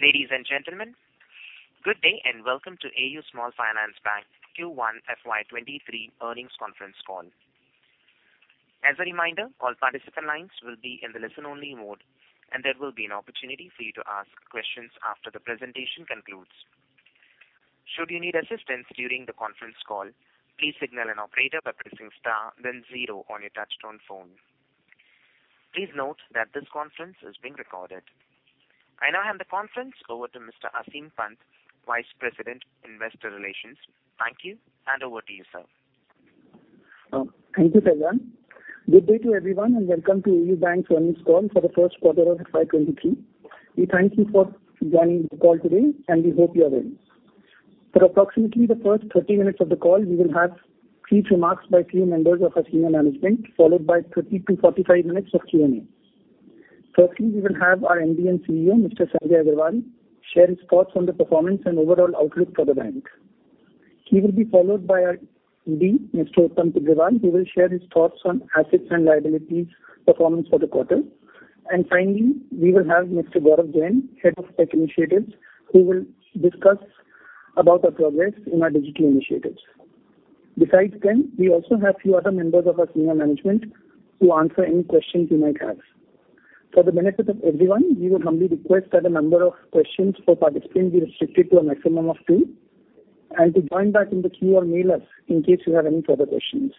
Ladies and gentlemen, good day and welcome to AU Small Finance Bank Q1 FY 2023 Earnings Conference Call. As a reminder, all participant lines will be in the listen-only mode, and there will be an opportunity for you to ask questions after the presentation concludes. Should you need assistance during the conference call, please signal an operator by pressing star then zero on your touchtone phone. Please note that this conference is being recorded. I now hand the conference over to Mr. Aseem Pant, Vice President, Investor Relations. Thank you, and over to you, sir. Thank you, Faisan. Good day to everyone, and welcome to AU Bank's Earnings Call for Q1 of FY 2023. We thank you for joining the call today, and we hope you are well. For approximately the first 30 minutes of the call, we will have brief remarks by key members of our senior management, followed by 30-45 minutes of Q&A. Firstly, we will have our MD and CEO, Mr. Sanjay Agarwal, share his thoughts on the performance and overall outlook for the bank. He will be followed by our ED, Mr. Uttam Tibrewal, who will share his thoughts on assets and liabilities performance for the quarter. Finally, we will have Mr. Gaurav Jain, head of tech initiatives, who will discuss about our progress in our digital initiatives. Besides them, we also have few other members of our senior management to answer any questions you might have. For the benefit of everyone, we would humbly request that the number of questions per participant be restricted to a maximum of two and to join back in the queue or mail us in case you have any further questions.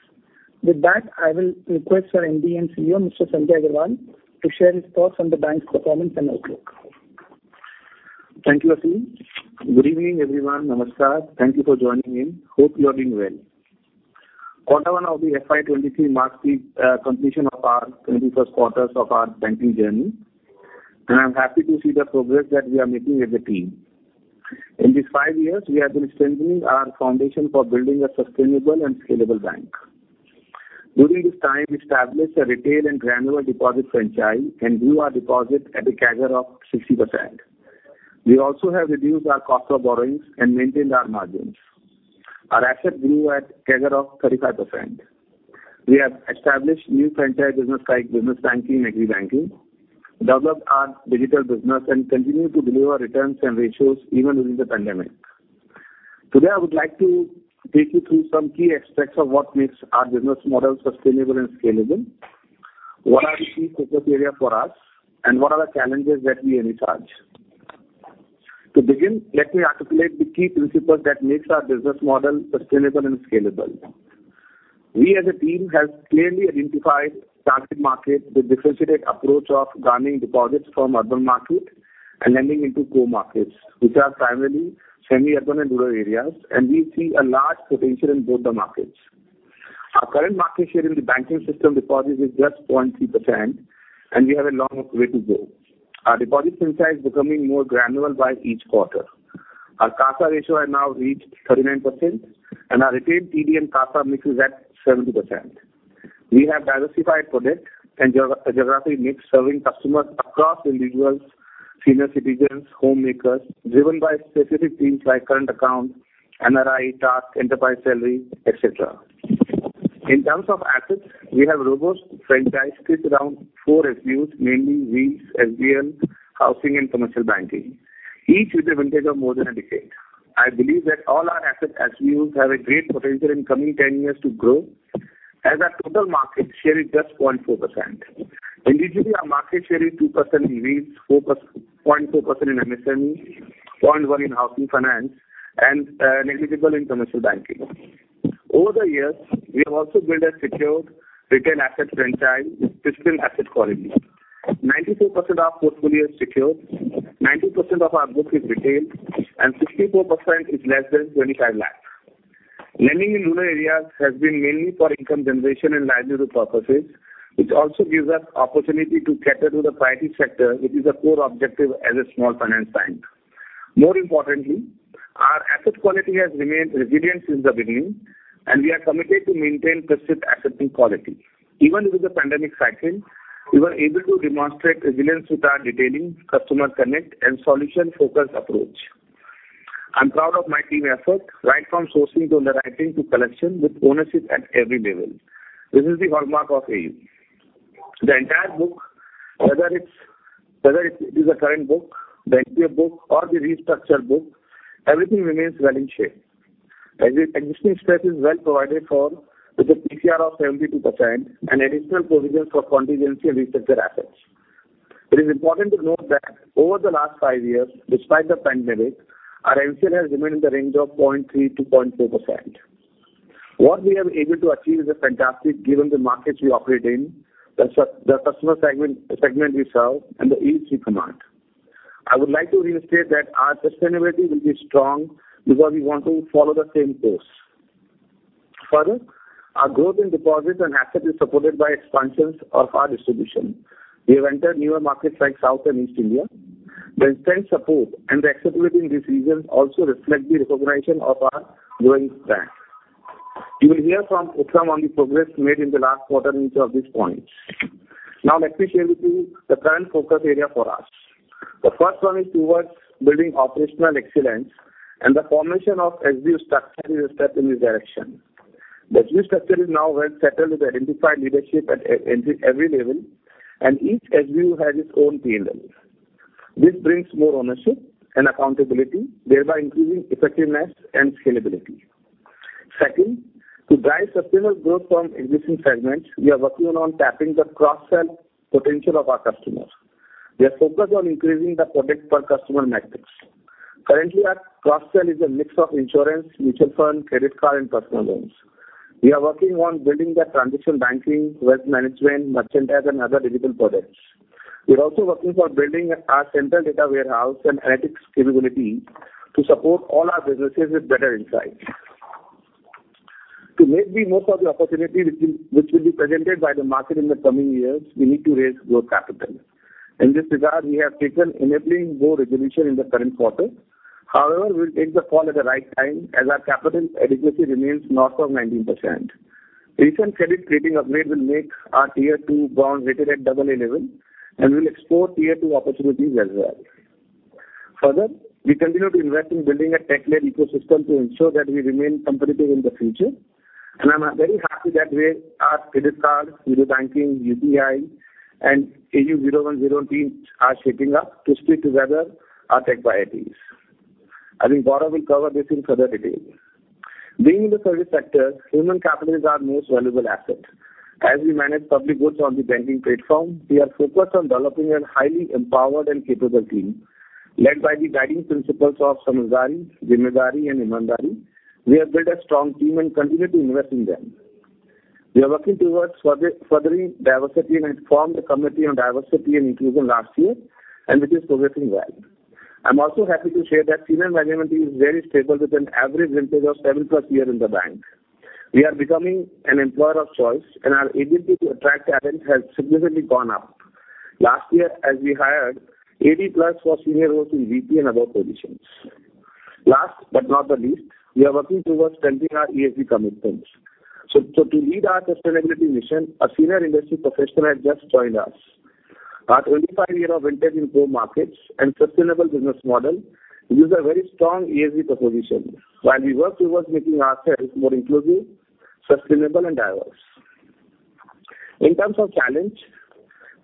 With that, I will request our MD and CEO, Mr. Sanjay Agarwal, to share his thoughts on the bank's performance and outlook. Thank you, Aseem. Good evening, everyone. Namaskar. Thank you for joining in. Hope you are doing well. Q1 of the FY 2023 marks the completion of our 21st quarter of our banking journey. I'm happy to see the progress that we are making as a team. In these five years, we have been strengthening our foundation for building a sustainable and scalable bank. During this time, we established a retail and granular deposit franchise and grew our deposit at a CAGR of 60%. We also have reduced our cost of borrowings and maintained our margins. Our assets grew at CAGR of 35%. We have established new franchise business like business banking and agri banking, developed our digital business and continued to deliver returns and ratios even during the pandemic. Today, I would like to take you through some key aspects of what makes our business model sustainable and scalable, what are the key focus area for us, and what are the challenges that we envisage. To begin, let me articulate the key principles that makes our business model sustainable and scalable. We as a team have clearly identified target market with differentiated approach of garnering deposits from urban market and lending into core markets, which are primarily semi-urban and rural areas, and we see a large potential in both the markets. Our current market share in the banking system deposits is just 0.3%, and we have a long way to go. Our deposit franchise is becoming more granular by each quarter. Our CASA ratio has now reached 39%, and our retail TD and CASA mix is at 70%. We have diversified product and geography mix serving customers across individuals, senior citizens, homemakers, driven by specific themes like current account, NRI, TASC, enterprise salary, et cetera. In terms of assets, we have robust franchise built around four SBUs, mainly Wheels, SBL, housing and commercial banking. Each with a vintage of more than a decade. I believe that all our asset SBUs have a great potential in coming 10 years to grow as our total market share is just 0.4%. Individually, our market share is 2% in Wheels, 0.4% in MSME, 0.1% in housing finance, and negligible in commercial banking. Over the years, we have also built a secured retail asset franchise with pristine asset quality. 94% of portfolio is secured, 90% of our book is retail, and 64% is less than 25 lakhs. Lending in rural areas has been mainly for income generation and livelihood purposes, which also gives us opportunity to cater to the priority sector, which is a core objective as a small finance bank. More importantly, our asset quality has remained resilient since the beginning, and we are committed to maintain pristine asset quality. Even with the pandemic cycle, we were able to demonstrate resilience with our detailing, customer connect, and solution-focused approach. I'm proud of my team effort, right from sourcing to underwriting to collection, with ownership at every level. This is the hallmark of AU. The entire book, whether it is a current book, the NPA book, or the restructured book, everything remains well in shape. Existing stress is well provided for with a PCR of 72% and additional provisions for contingency and restructured assets. It is important to note that over the last five years, despite the pandemic, our NCL has remained in the range of 0.3%-0.4%. What we have able to achieve is fantastic, given the markets we operate in, the customer segment we serve, and the yield we command. I would like to reiterate that our sustainability will be strong because we want to follow the same course. Further, our growth in deposits and asset is supported by expansions of our distribution. We have entered newer markets like South and East India. The immense support and the acceptability in these regions also reflect the recognition of our growing brand. You will hear from Uttam on the progress made in the last quarter in each of these points. Now let me share with you the current focus area for us. The first one is towards building operational excellence and the formation of SBU structure is a step in this direction. The new structure is now well settled with identified leadership at every level, and each SBU has its own P&L. This brings more ownership and accountability, thereby increasing effectiveness and scalability. Second, to drive sustainable growth from existing segments, we are working on tapping the cross-sell potential of our customers. We are focused on increasing the product per customer metrics. Currently, our cross-sell is a mix of insurance, mutual fund, credit card and personal loans. We are working on building the transaction banking, wealth management, merchant and other digital products. We are also working for building our central data warehouse and analytics capability to support all our businesses with better insights. To make the most of the opportunity which will be presented by the market in the coming years, we need to raise more capital. In this regard, we have taken an enabling resolution in the current quarter. However, we'll take the call at the right time as our capital adequacy remains north of 19%. Recent credit rating upgrade will make our Tier-2 bonds rated at double A level, and we'll explore tier-two opportunities as well. Further, we continue to invest in building a tech-led ecosystem to ensure that we remain competitive in the future. I'm very happy that our credit card, digital banking, UPI and AU 0101 teams are shaping up to stitch together our tech priorities. I think Gaurav will cover this in further detail. Being in the service sector, human capital is our most valuable asset. As we manage public goods on the banking platform, we are focused on developing a highly empowered and capable team. Led by the guiding principles of Samjhdari, Zimmedari and Imandari, we have built a strong team and continue to invest in them. We are working towards furthering diversity and formed a committee on diversity and inclusion last year, and it is progressing well. I'm also happy to share that senior management is very stable with an average vintage of 7+ years in the bank. We are becoming an employer of choice, and our ability to attract talent has significantly gone up. Last year, we hired 80+ for senior roles in VP and above positions. Last but not the least, we are working towards strengthening our ESG commitments. To lead our sustainability mission, a senior industry professional has just joined us. Our 25-years of vintage in core markets and sustainable business model gives a very strong ESG proposition while we work towards making ourselves more inclusive, sustainable and diverse. In terms of challenge,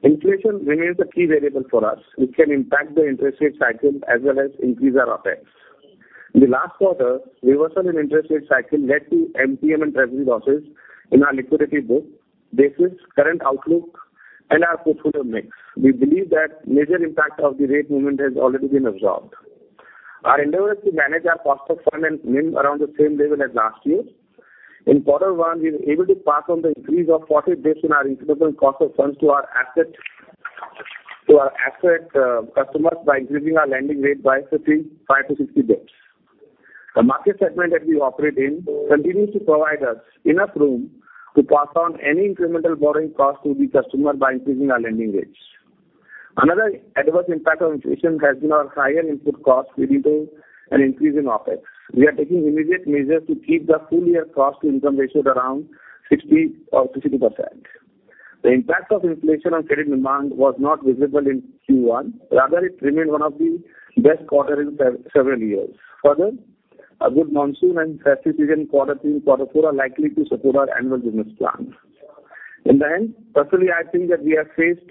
inflation remains a key variable for us, which can impact the interest rate cycle as well as increase our OpEx. In the last quarter, reversal in interest rate cycle led to MTM and treasury losses in our liquidity book. Based on current outlook and our portfolio mix, we believe that major impact of the rate movement has already been absorbed. Our endeavors to manage our cost of funds and NIM around the same level as last year. In quarter one, we were able to pass on the increase of 40 basis in our incremental cost of funds to our asset customers by increasing our lending rate by 50-50 basis. The market segment that we operate in continues to provide us enough room to pass on any incremental borrowing cost to the customer by increasing our lending rates. Another adverse impact of inflation has been our higher input costs leading to an increase in OpEx. We are taking immediate measures to keep the full year cost-to-income ratio at around 60% or 62%. The impact of inflation on credit demand was not visible in Q1. Rather it remained one of the best quarter in several years. Further, a good monsoon and satisfactory quarter two outlook are likely to support our annual business plans. In the end, personally, I think that we have faced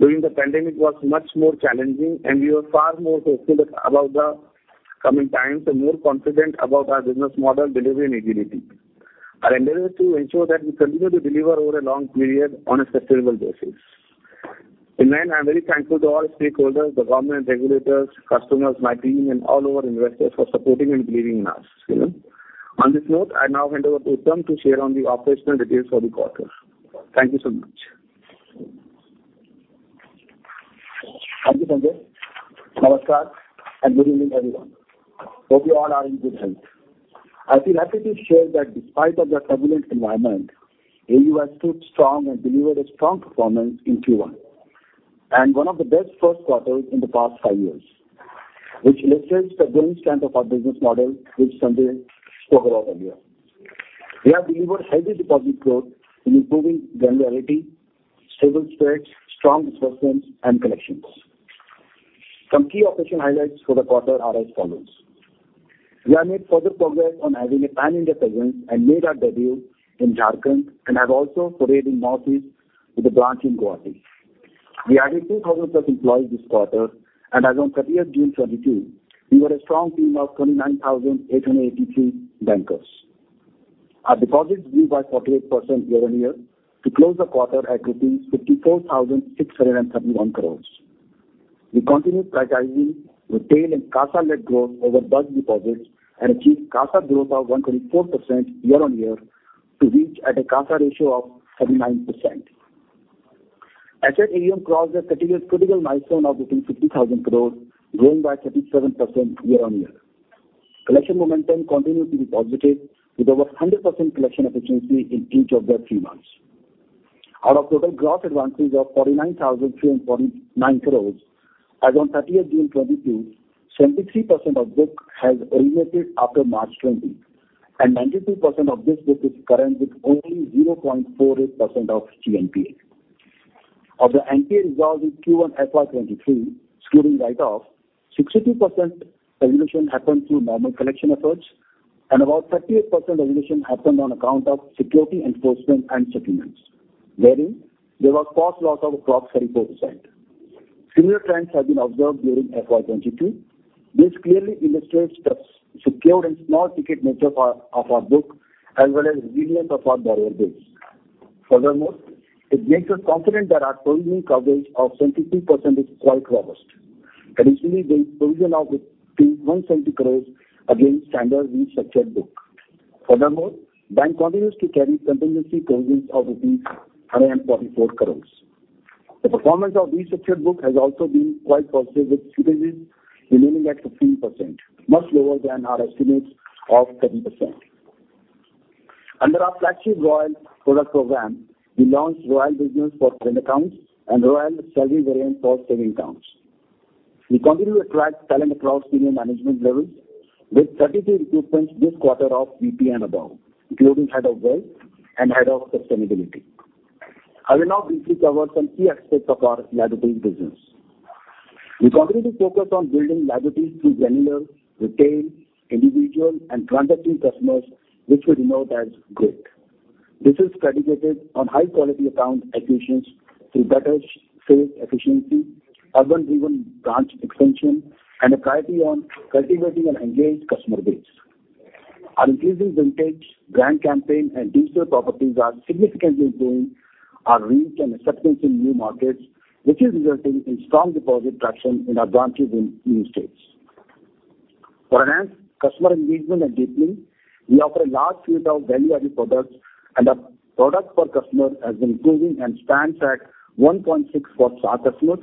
during the pandemic was much more challenging, and we are far more hopeful about the coming times and more confident about our business model delivery and agility. Our endeavor is to ensure that we continue to deliver over a long period on a sustainable basis. In the end, I am very thankful to all stakeholders, the government, regulators, customers, my team and all our investors for supporting and believing in us. On this note, I now hand over to Uttam to share on the operational details for the quarter. Thank you so much. Thank you, Sanjay. Namaskar and good evening, everyone. Hope you all are in good health. I feel happy to share that despite of the turbulent environment, AU has stood strong and delivered a strong performance in Q1, and one of the best Q1s in the past five years, which reflects the resilience strength of our business model, which Sanjay spoke about earlier. We have delivered healthy deposit growth in improving granularity, stable spreads, strong disbursements and collections. Some key operational highlights for the quarter are as follows. We have made further progress on having a pan-India presence and made our debut in Jharkhand and have also forayed in Northeast with a branch in Guwahati. We added 2,000+ employees this quarter, and as on thirtieth June 2022, we were a strong team of 29,883 bankers. Our deposits grew by 48% year-on-year to close the quarter at rupees 54,631 crore. We continued prioritizing retail and CASA-led growth over bulk deposits and achieved CASA growth of 124% year-on-year to reach at a CASA ratio of 79%. Asset AUM crossed a significant milestone of 50,000 crore, growing by 37% year-on-year. Collection momentum continued to be positive with over 100% collection efficiency in each of the three months. Out of total gross advances of 49,349 crores, as on June 30 2022, 73% of book has originated after March 2020, and 92% of this book is current, with only 0.48% of GNPA. Of the NPA resolved in Q1 FY 2023, excluding write-off, 62% resolution happened through normal collection efforts and about 38% resolution happened on account of security enforcement and settlements, wherein there was cost loss of across 34%. Similar trends have been observed during FY 2022. This clearly illustrates the secured and small ticket nature of our book, as well as resilience of our borrower base. Furthermore, it makes us confident that our provisioning coverage of 72% is quite robust. Additionally, there is provision of 170 crores against standard restructured book. The bank continues to carry contingency provisions of rupees 144 crore. The performance of restructured book has also been quite positive, with slippages remaining at 15%, much lower than our estimates of 30%. Under our flagship Royal product program, we launched Royal versions for current accounts and Royal salary variant for savings accounts. We continue to attract talent across senior management levels with 33 recruitments this quarter of VP and above, including Head of Wealth and Head of Sustainability. I will now briefly cover some key aspects of our liabilities business. We continue to focus on building liabilities through granular, retail, individual and transacting customers, which we denote as GRIT. This is predicated on high quality account acquisitions through better sales efficiency, urban-driven branch expansion, and a priority on cultivating an engaged customer base. Our increasing vintage brand campaign and digital properties are significantly growing our reach and acceptance in new markets, which is resulting in strong deposit traction in our branches in new states. For enhanced customer engagement and deepening, we offer a large suite of value-added products, and our product per customer has been improving and stands at 1.6 for SA customers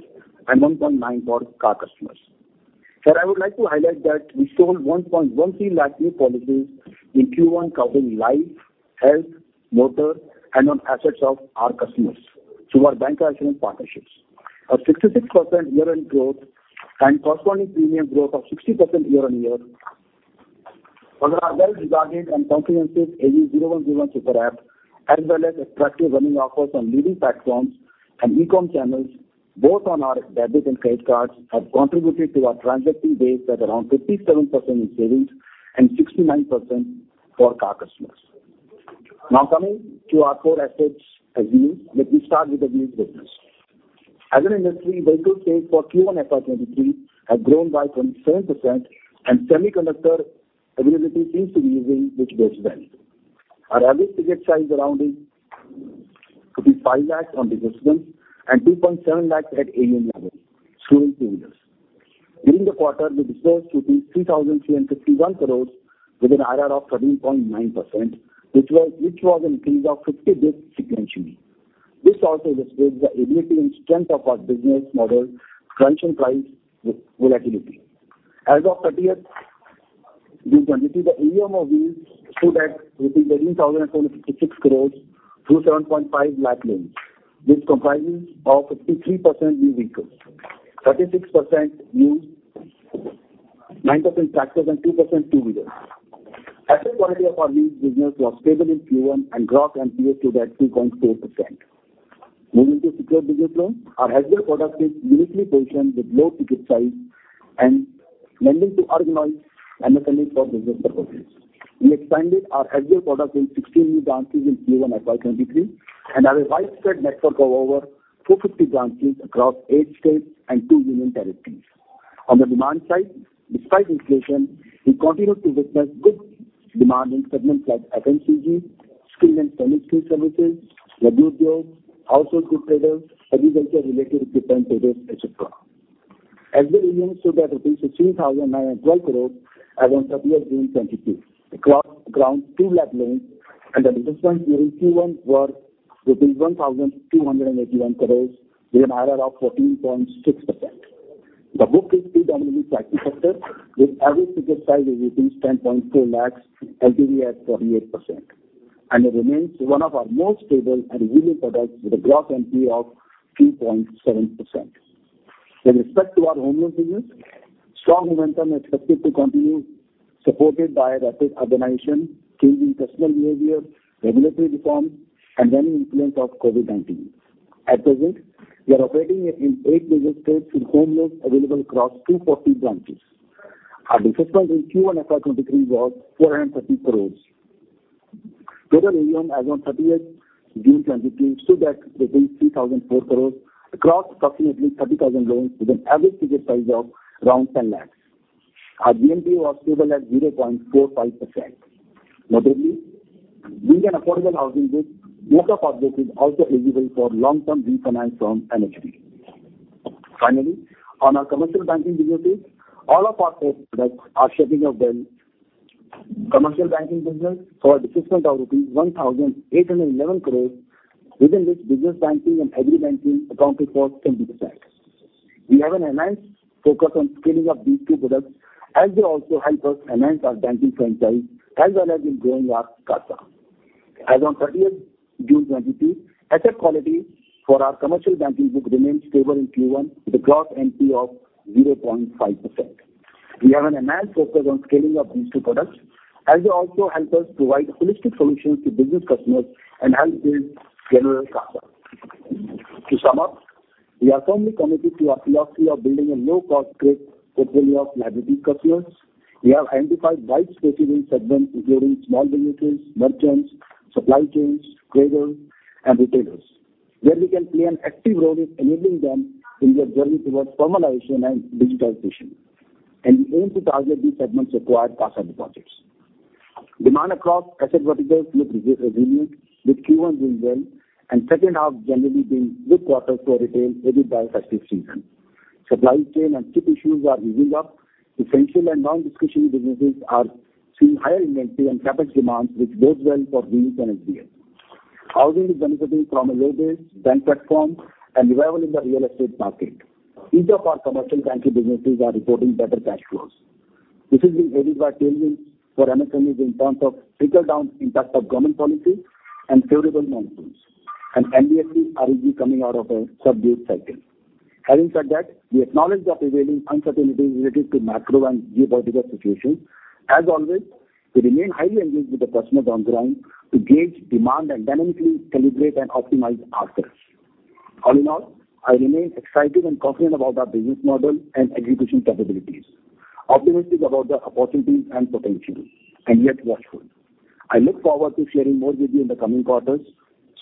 and 1.9 for CA customers. Here, I would like to highlight that we sold 1.13 lakh new policies in Q1 covering life, health, motor and home assets of our customers through our bank-insurance partnerships. A 66% year-over-year growth and corresponding premium growth of 60% year-over-year. Further, our well-regarded and comprehensive AU 0101 super app, as well as attractive running offers on leading platforms and e-com channels, both on our debit and credit cards, have contributed to our transacting base at around 57% in savings and 69% for CA customers. Now coming to our core assets as Wheels. Let me start with the Wheels business. As an industry, vehicle sales for Q1 FY23 have grown by 27% and semiconductor availability seems to be easing, which bodes well. Our average ticket size around is 55 lakh on disbursements and 2.7 lakh at AU level, excluding two-wheelers. During the quarter, we disbursed 3,351 crore with an IRR of 13.9%, which was an increase of 50 basis points sequentially. This also illustrates the ability and strength of our business model crunching price with volatility. As of 30 June 2022, the AUM of Wheels stood at rupees 13,026 crore through 7.5 lakh loans. This comprises of 53% new vehicles, 36% used, 9% tractors and 2% two-wheelers. Asset quality of our Wheels business was stable in Q1 and Gross NPA stood at 2.4%. Moving to secured business loans. Our agile product is uniquely positioned with low ticket size and lending to organized MSMEs for business purposes. We expanded our agile product in 16 new branches in Q1 FY 2023 and have a widespread network of over 450 branches across 8 states and two union territories. On the demand side, despite inflation, we continue to witness good demand in segments like FMCG, skill and training skill services, WPRO, household goods traders, agriculture related equipment traders, etc. Agile AUM stood at 16,912 crores as on 30 June 2022, across around two lakh loans and the disbursements during Q1 were 1,281 crores with an IRR of 14.6%. The book is predominantly tractor sector with average ticket size of 10.4 lakhs, LTV at 48%. It remains one of our most stable and yielding products with a gross NPA of 2.7%. With respect to our home loans business, strong momentum expected to continue, supported by rapid urbanization, changing customer behavior, regulatory reforms and waning influence of COVID-19. At present, we are operating in eight major states with home loans available across 240 branches. Our disbursements in Q1 FY 2023 was 430 crore. Total AUM as on 30 June 2022 stood at 3,004 crore across approximately 30,000 loans with an average ticket size of around 10 lakh. Our GNPA was stable at 0.45%. Notably, being an affordable housing book, bulk of our book is also eligible for long term refinance from NHB. Finally, on our commercial banking businesses, all of our core products are shaping up well. Commercial banking business saw disbursements of rupees 1,811 crore, within which business banking and agri banking accounted for 10%. We have an enhanced focus on scaling up these two products as they also help us enhance our banking franchise as well as in growing our CASA. As on June 30 2022, asset quality for our commercial banking book remained stable in Q1 with a gross NPA of 0.5%. We have an enhanced focus on scaling up these two products as they also help us provide holistic solutions to business customers.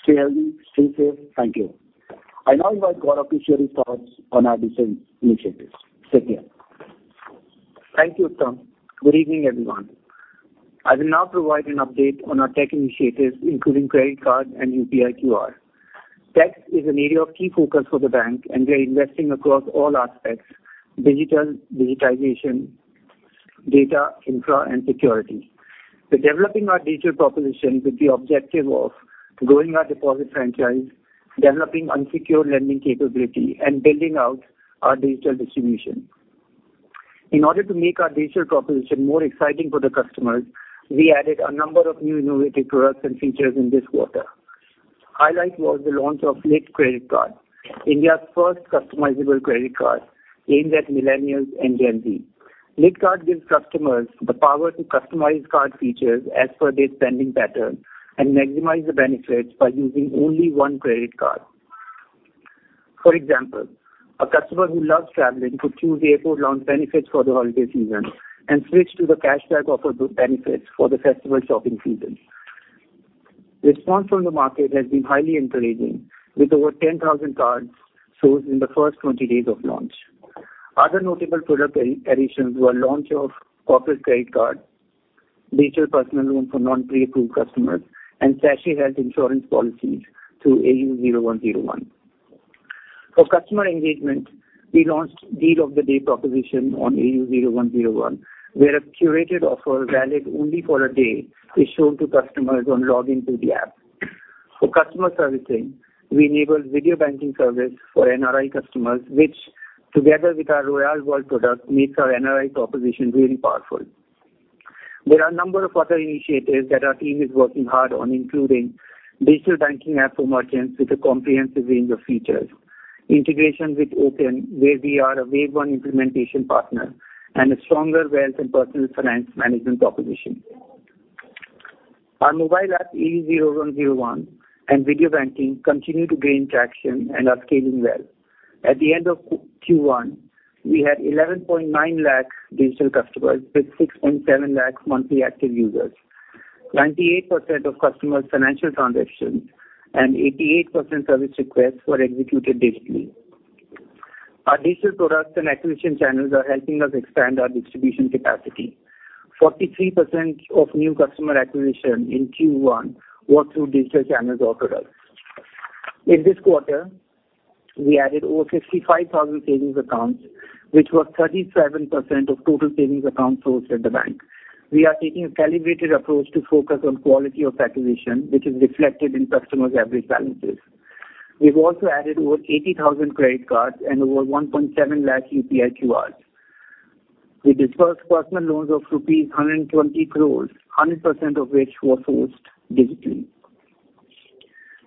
Thank you, Uttam. Good evening, everyone. I will now provide an update on our tech initiatives, including credit card and UPI QR. Tech is an area of key focus for the bank, and we are investing across all aspects, digital, digitization, data, infra, and security. We're developing our digital proposition with the objective of growing our deposit franchise, developing unsecured lending capability, and building out our digital distribution. In order to make our digital proposition more exciting for the customers, we added a number of new innovative products and features in this quarter. Highlight was the launch of LIT Credit Card, India's first customizable credit card aimed at millennials and Gen Z. LIT Card gives customers the power to customize card features as per their spending pattern and maximize the benefits by using only one credit card. For example, a customer who loves travelling could choose airport lounge benefits for the holiday season and switch to the cashback offer benefits for the festival shopping season. Response from the market has been highly encouraging, with over 10,000 cards sourced in the first 20 days of launch. Other notable product additions were launch of corporate credit card, digital personal loan for non-pre-approved customers, and Sachet health insurance policies through AU 0101. For customer engagement, we launched Deal of the Day proposition on AU 0101, where a curated offer valid only for a day is shown to customers on login to the app. For customer servicing, we enabled video banking service for NRI customers, which together with our AU Royale World product, makes our NRI proposition really powerful. There are a number of other initiatives that our team is working hard on, including digital banking app for merchants with a comprehensive range of features, integration with ONDC, where we are a wave one implementation partner and a stronger wealth and personal finance management proposition. Our mobile app, AU 0101 and video banking continue to gain traction and are scaling well. At the end of Q1, we had 11.9 lakh digital customers with 6.7 lakh monthly active users. 98% of customers' financial transactions and 88% service requests were executed digitally. Our digital products and acquisition channels are helping us expand our distribution capacity. 43% of new customer acquisition in Q1 were through digital channels or products. In this quarter, we added over 55,000 savings accounts, which was 37% of total savings accounts sourced at the bank. We are taking a calibrated approach to focus on quality of acquisition, which is reflected in customers' average balances. We've also added over 80,000 credit cards and over 1.7 lakh UPI QR. We disbursed personal loans of rupees 120 crores, 100% of which were sourced digitally.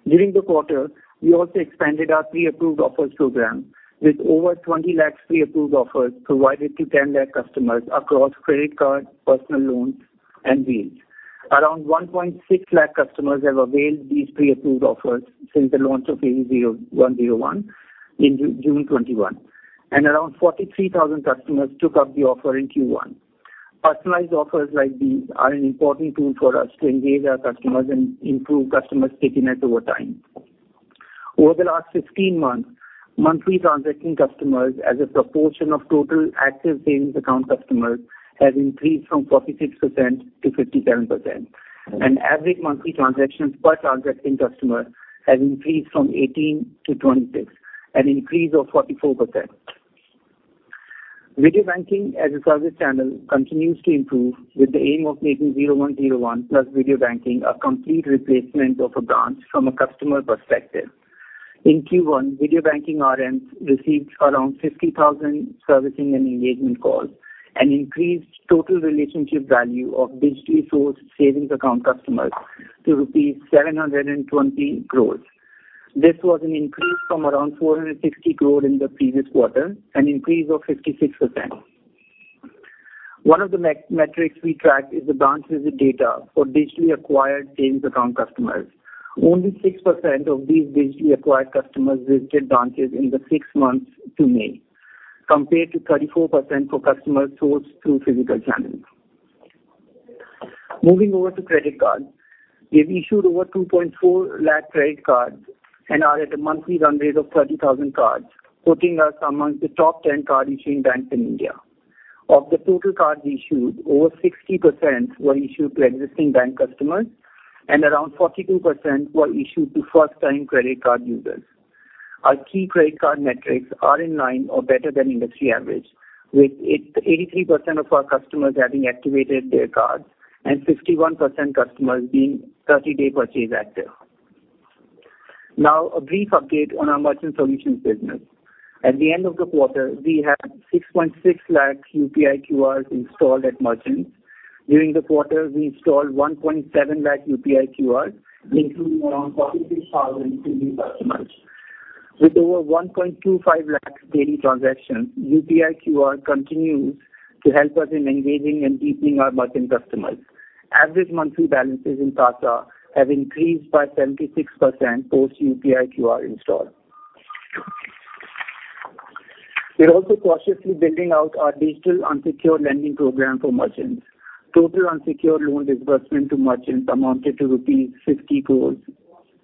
During the quarter, we also expanded our pre-approved offers program with over 20 lakhs pre-approved offers provided to 10 lakh customers across credit card, personal loans and Wheels. Around 1.6 lakh customers have availed these pre-approved offers since the launch of AU 0101 in June 2021, and around 43,000 customers took up the offer in Q1. Personalized offers like these are an important tool for us to engage our customers and improve customer stickiness over time. Over the last 15 months, monthly transacting customers as a proportion of total active savings account customers has increased from 46% to 57%, and average monthly transactions per transacting customer has increased from 18 to 26, an increase of 44%. Video banking as a service channel continues to improve with the aim of making 0101 plus video banking a complete replacement of a branch from a customer perspective. In Q1, video banking RMs received around 50,000 servicing and engagement calls and increased total relationship value of digitally sourced savings account customers to rupees 720 crore. This was an increase from around 460 crore in the previous quarter, an increase of 56%. One of the key metrics we track is the branch visit data for digitally acquired savings account customers. Only 6% of these digitally acquired customers visited branches in the six months to May, compared to 34% for customers sourced through physical channels. Moving over to credit cards. We've issued over 2.4 lakh credit cards and are at a monthly run rate of 30,000 cards, putting us among the top 10 card-issuing banks in India. Of the total cards issued, over 60% were issued to existing bank customers, and around 42% were issued to first-time credit card users. Our key credit card metrics are in line or better than industry average, with 83% of our customers having activated their cards and 51% customers being 30-days purchase active. Now a brief update on our merchant solutions business. At the end of the quarter, we had 6.6 lakh UPI QR installed at merchants. During the quarter, we installed 1.7 lakh UPI QR, including around 46,000 new customers. With over 1.25 lakh daily transactions, UPI QR continues to help us in engaging and deepening our merchant customers. Average monthly balances in CA have increased by 76% post UPI QR install. We are also cautiously building out our digital unsecured lending program for merchants. Total unsecured loan disbursement to merchants amounted to rupees 50 crores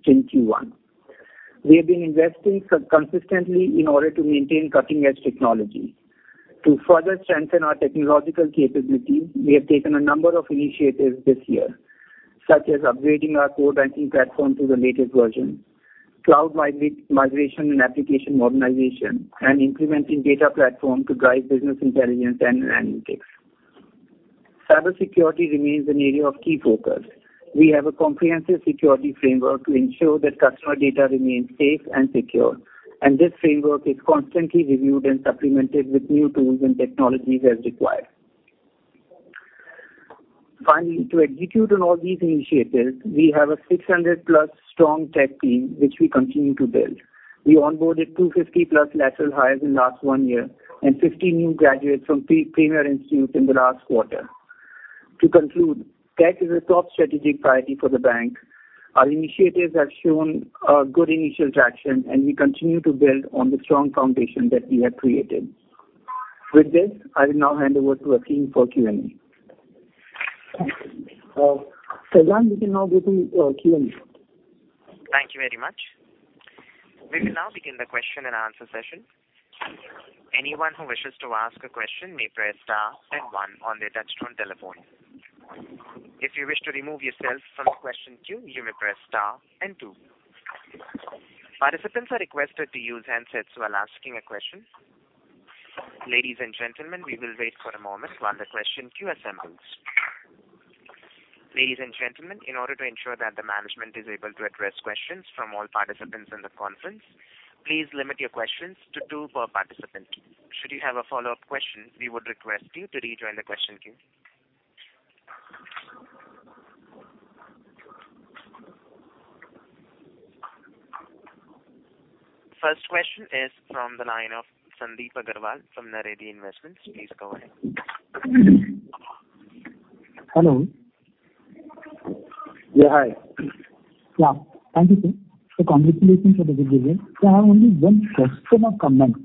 in Q1. We have been investing consistently in order to maintain cutting-edge technology. To further strengthen our technological capabilities, we have taken a number of initiatives this year, such as upgrading our core banking platform to the latest version, cloud migration and application modernization, and implementing data platform to drive business intelligence and analytics. Cybersecurity remains an area of key focus. We have a comprehensive security framework to ensure that customer data remains safe and secure, and this framework is constantly reviewed and supplemented with new tools and technologies as required. Finally, to execute on all these initiatives, we have a 600+ strong tech team, which we continue to build. We onboarded 250+ lateral hires in last one year and 50 new graduates from pre-premier institutes in the last quarter. To conclude, tech is a top strategic priority for the bank. Our initiatives have shown good initial traction, and we continue to build on the strong foundation that we have created. With this, I will now hand over to Aseem for Q&A. Sajjan, you can now begin Q&A. Thank you very much. We will now begin the question and answer session. Anyone who wishes to ask a question may press star then one on their touch-tone telephone. If you wish to remove yourself from the question queue, you may press star and two. Participants are requested to use handsets while asking a question. Ladies and gentlemen, we will wait for a moment while the question queue assembles. Ladies and gentlemen, in order to ensure that the management is able to address questions from all participants in the conference, please limit your questions to two per participant. Should you have a follow-up question, we would request you to rejoin the question queue. First question is from the line of Sandeep Agarwal from Naredi Investments. Please go ahead. Hello. Yeah, hi. Yeah. Thank you, sir. Congratulations on the good results. I have only one question or comment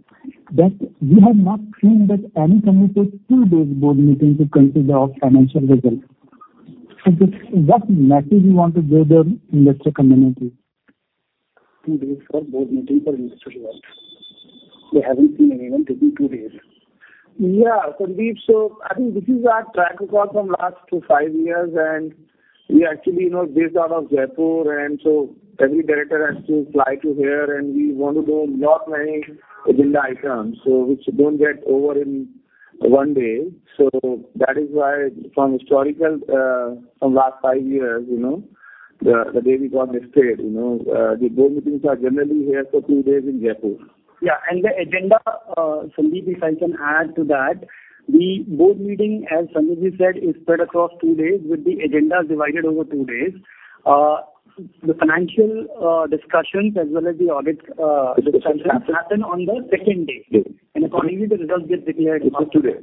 that we have not seen that any company take two days board meeting to consider our financial results. Just what message you want to give the investor community? Two days for board meeting for investor results. We haven't seen anyone taking two days. Yeah, Sandeep. I think this is our track record from last five years, and we actually, you know, based out of Jaipur, and so every director has to fly to here, and we want to go lot many agenda items, so which don't get over in one day. That is why from last five years, you know, the way we got listed, you know, the board meetings are generally here for two days in Jaipur. Yeah, and the agenda, Sandeep, if I can add to that, the board meeting, as Sandeep said, is spread across two days, with the agenda divided over two days. The financial discussions as well as the audit discussions happen on the second day. Accordingly, the results get declared. It's yesterday.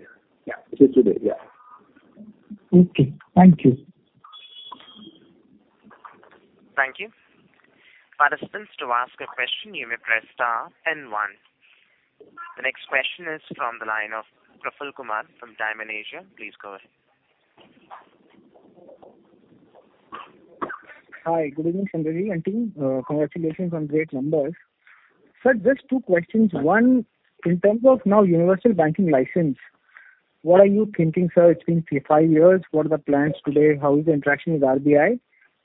Yeah. It's yesterday. Yeah. Okay. Thank you. Thank you. Participants, to ask a question, you may press star then one. The next question is from the line of Praful Kumar from Dymon Asia. Please go ahead. Hi. Good evening, Sanjay and team. Congratulations on great numbers. Sir, just two questions. One, in terms of now universal banking license, what are you thinking, sir? It's been five years. What are the plans today? How is the interaction with RBI,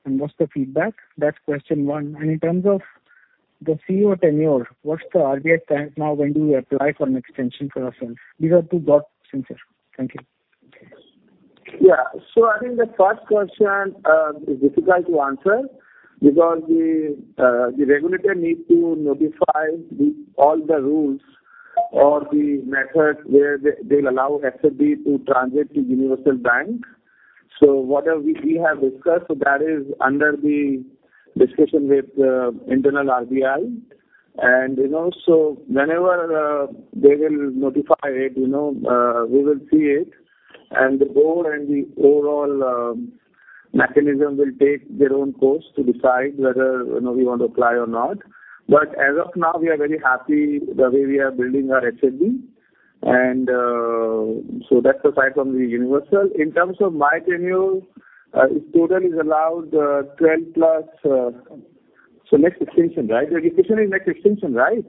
and what's the feedback? That's question one. In terms of the CEO tenure, what's the RBI plan now? When do you apply for an extension for yourself? These are two points, sir. Thank you. Yeah. I think the first question is difficult to answer because the regulator needs to notify all the rules or the methods where they'll allow SFB to transition to universal bank. Whatever we have discussed that is under discussion with internal RBI and, you know, whenever they will notify it, you know, we will see it and the board and the overall mechanism will take their own course to decide whether, you know, we want to apply or not. But as of now we are very happy the way we are building our franchise. That's aside from the universal. In terms of my tenure, if total is allowed, 12+, so next extension, right? The extension is next extension, right?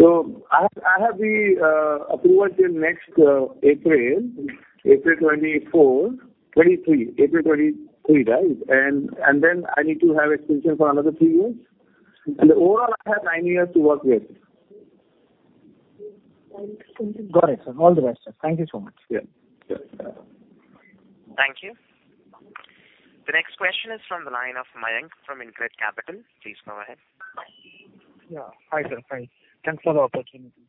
I have the approval till next April 2023, right? Then I need to have extension for another three years. In the overall, I have nine years to work with. Got it, sir. All the best, sir. Thank you so much. Yeah. Sure. Thank you. The next question is from the line of Mayank from InCred Capital. Please go ahead. Yeah. Hi, sir. Hi. Thanks for the opportunity.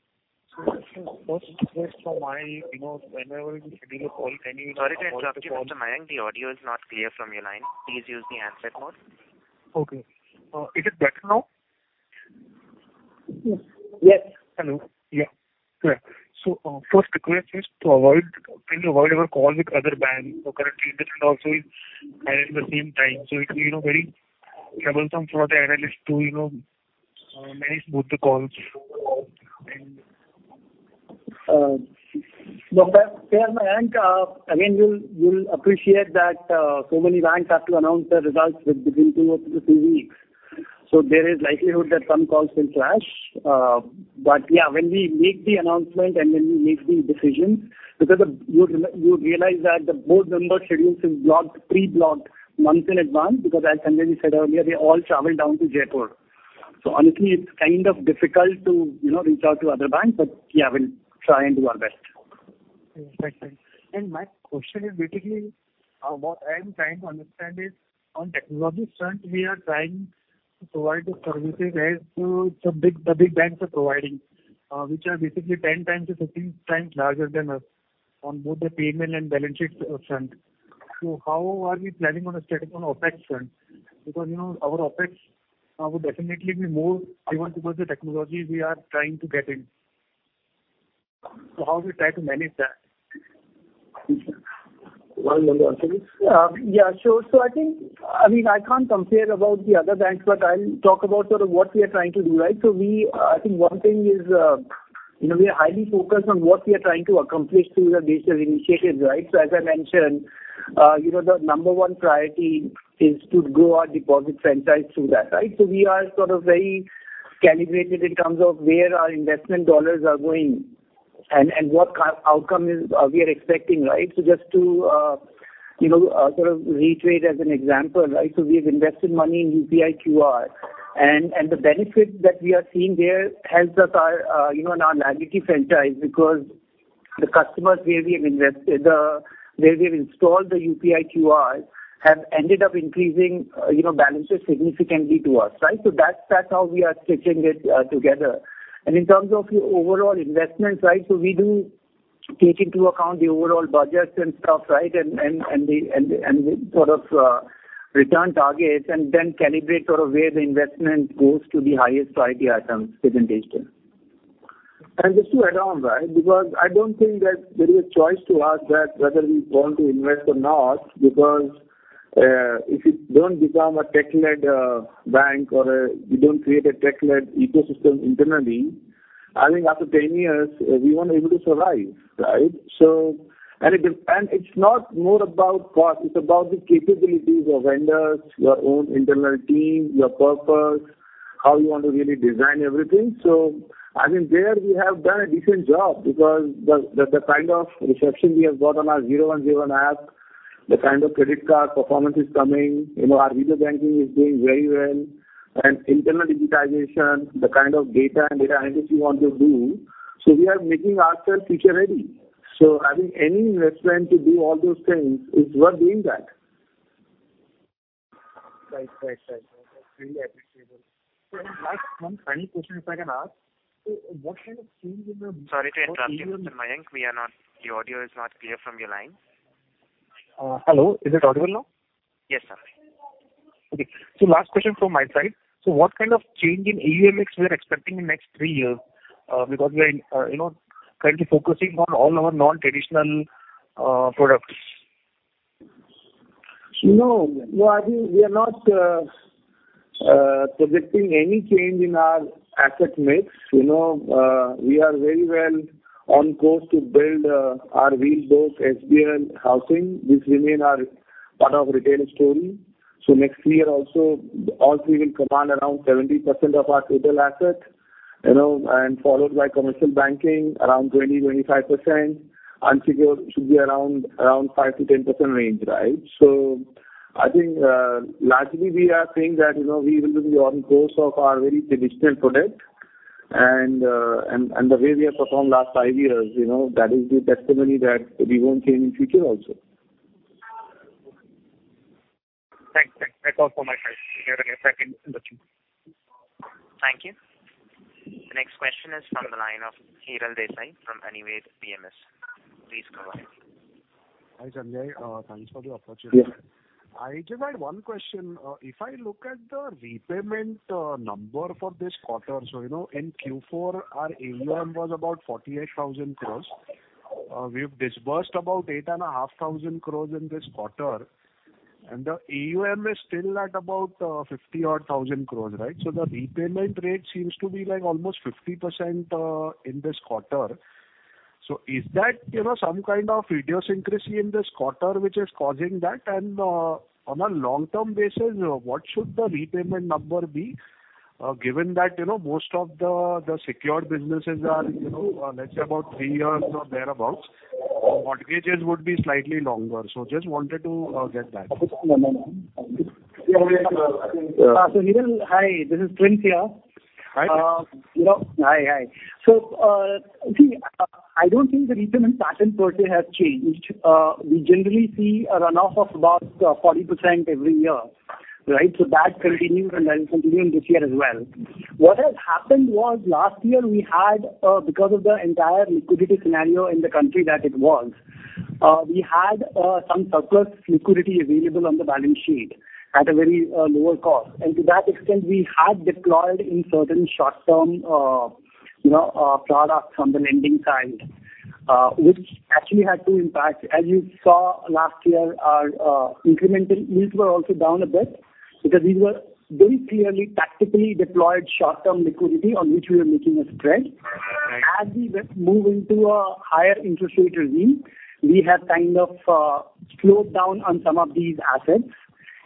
First request from my, you know, whenever we schedule a call, any- Sorry to interrupt you, Mr. Mayank. The audio is not clear from your line. Please use the handset mode. Okay. Is it better now? Yes. Hello. Yeah. Yeah. First request is to avoid, please avoid our call with other banks. Currently this one also is at the same time. It will be, you know, very troublesome for the analyst to, you know, manage both the calls and.... Look, yeah, Mayank. Again, you'll appreciate that so many banks have to announce their results within two to three weeks. There is likelihood that some calls will clash. Yeah, when we make the announcement and when we make the decision, because you'd realize that the board member schedules is blocked, pre-blocked months in advance because as Sanjay said earlier, they all travel down to Jaipur. Honestly, it's kind of difficult to, you know, reach out to other banks. Yeah, we'll try and do our best. My question is basically, what I am trying to understand is on the technology front, we are trying to provide the services as the big banks are providing, which are basically 10x to 15x larger than us on both the payments and balance sheet front. How are we planning strategically on the OpEx front? Because, you know, our OpEx would definitely be more driven towards the technology we are trying to get in. How we try to manage that? Why don't you answer this? Yeah, sure. I think, I mean, I can't compare about the other banks, but I'll talk about sort of what we are trying to do, right? We, I think one thing is, you know, we are highly focused on what we are trying to accomplish through the digital initiatives, right? As I mentioned, you know, the number one priority is to grow our deposit franchise through that, right? We are sort of very calibrated in terms of where our investment dollars are going and what kind of outcome we are expecting, right? Just to, you know, sort of reiterate as an example, right? We have invested money in UPI QR and the benefit that we are seeing there helps us our you know in our liability franchise because the customers where we have invested where we have installed the UPI QR have ended up increasing you know balances significantly to us, right? That's how we are stitching it together. In terms of overall investments, right? We do take into account the overall budgets and stuff, right? And the sort of return targets and then calibrate sort of where the investment goes to the highest priority items within digital. Just to add on that, because I don't think that there is a choice to us that whether we want to invest or not because if you don't become a tech-led bank or you don't create a tech-led ecosystem internally, I think after 10 years we won't able to survive, right? It's not more about cost, it's about the capabilities of vendors, your own internal team, your purpose, how you want to really design everything. I think there we have done a decent job because the kind of reception we have got on our AU 0101 app, the kind of credit card performance is coming. You know, our video banking is doing very well and internal digitization, the kind of data analytics we want to do. We are making ourselves future ready. I think any investment to do all those things is worth doing that. Right. Really appreciable. My one final question, if I can ask. What kind of change in the- Sorry to interrupt you, Mr. Mayank. Your audio is not clear from your line. Hello. Is it audible now? Yes, sir. Okay. Last question from my side. What kind of change in AUM we are expecting in next three years? Because we are, you know, currently focusing on all our non-traditional products. You know, no, I think we are not projecting any change in our asset mix. You know, we are very well on course to build our Wheels, SBL, housing. These remain our part of retail story. Next year also all three will command around 70% of our total asset, you know, and followed by commercial banking around 20%-25%. Unsecured should be around 5%-10% range, right? I think largely we are saying that, you know, we will be on course of our very traditional product and the way we have performed last five years, you know, that is the testimony that we won't change in future also. Thanks. That's all from my side. Thank you very much. Thank you. Thank you. The next question is from the line of Hiral Desai from Anand Rathi. Please go ahead. Hi, Sanjay. Thanks for the opportunity. Yes. I just had one question. If I look at the repayment number for this quarter. You know, in Q4, our AUM was about 48,000 crore. We've disbursed about 8,500 crore in this quarter, and the AUM is still at about 50,000 crore, right? The repayment rate seems to be like almost 50% in this quarter. Is that, you know, some kind of idiosyncrasy in this quarter which is causing that? On a long-term basis, what should the repayment number be? Given that, you know, most of the secured businesses are, you know, let's say about three years or thereabout. Mortgages would be slightly longer. Just wanted to get that. Hiral, hi, this is Rishi Dhariwal here. Hi. I don't think the repayment pattern per se has changed. We generally see a runoff of about 40% every year, right? That continued and that will continue in this year as well. What has happened was last year we had, because of the entire liquidity scenario in the country, we had some surplus liquidity available on the balance sheet at a very lower cost. To that extent, we had deployed in certain short-term, you know, products on the lending side, which actually had two impacts. As you saw last year our incremental yields were also down a bit because these were very clearly tactically deployed short-term liquidity on which we are making a spread. Right. As we move into a higher interest rate regime, we have kind of slowed down on some of these assets,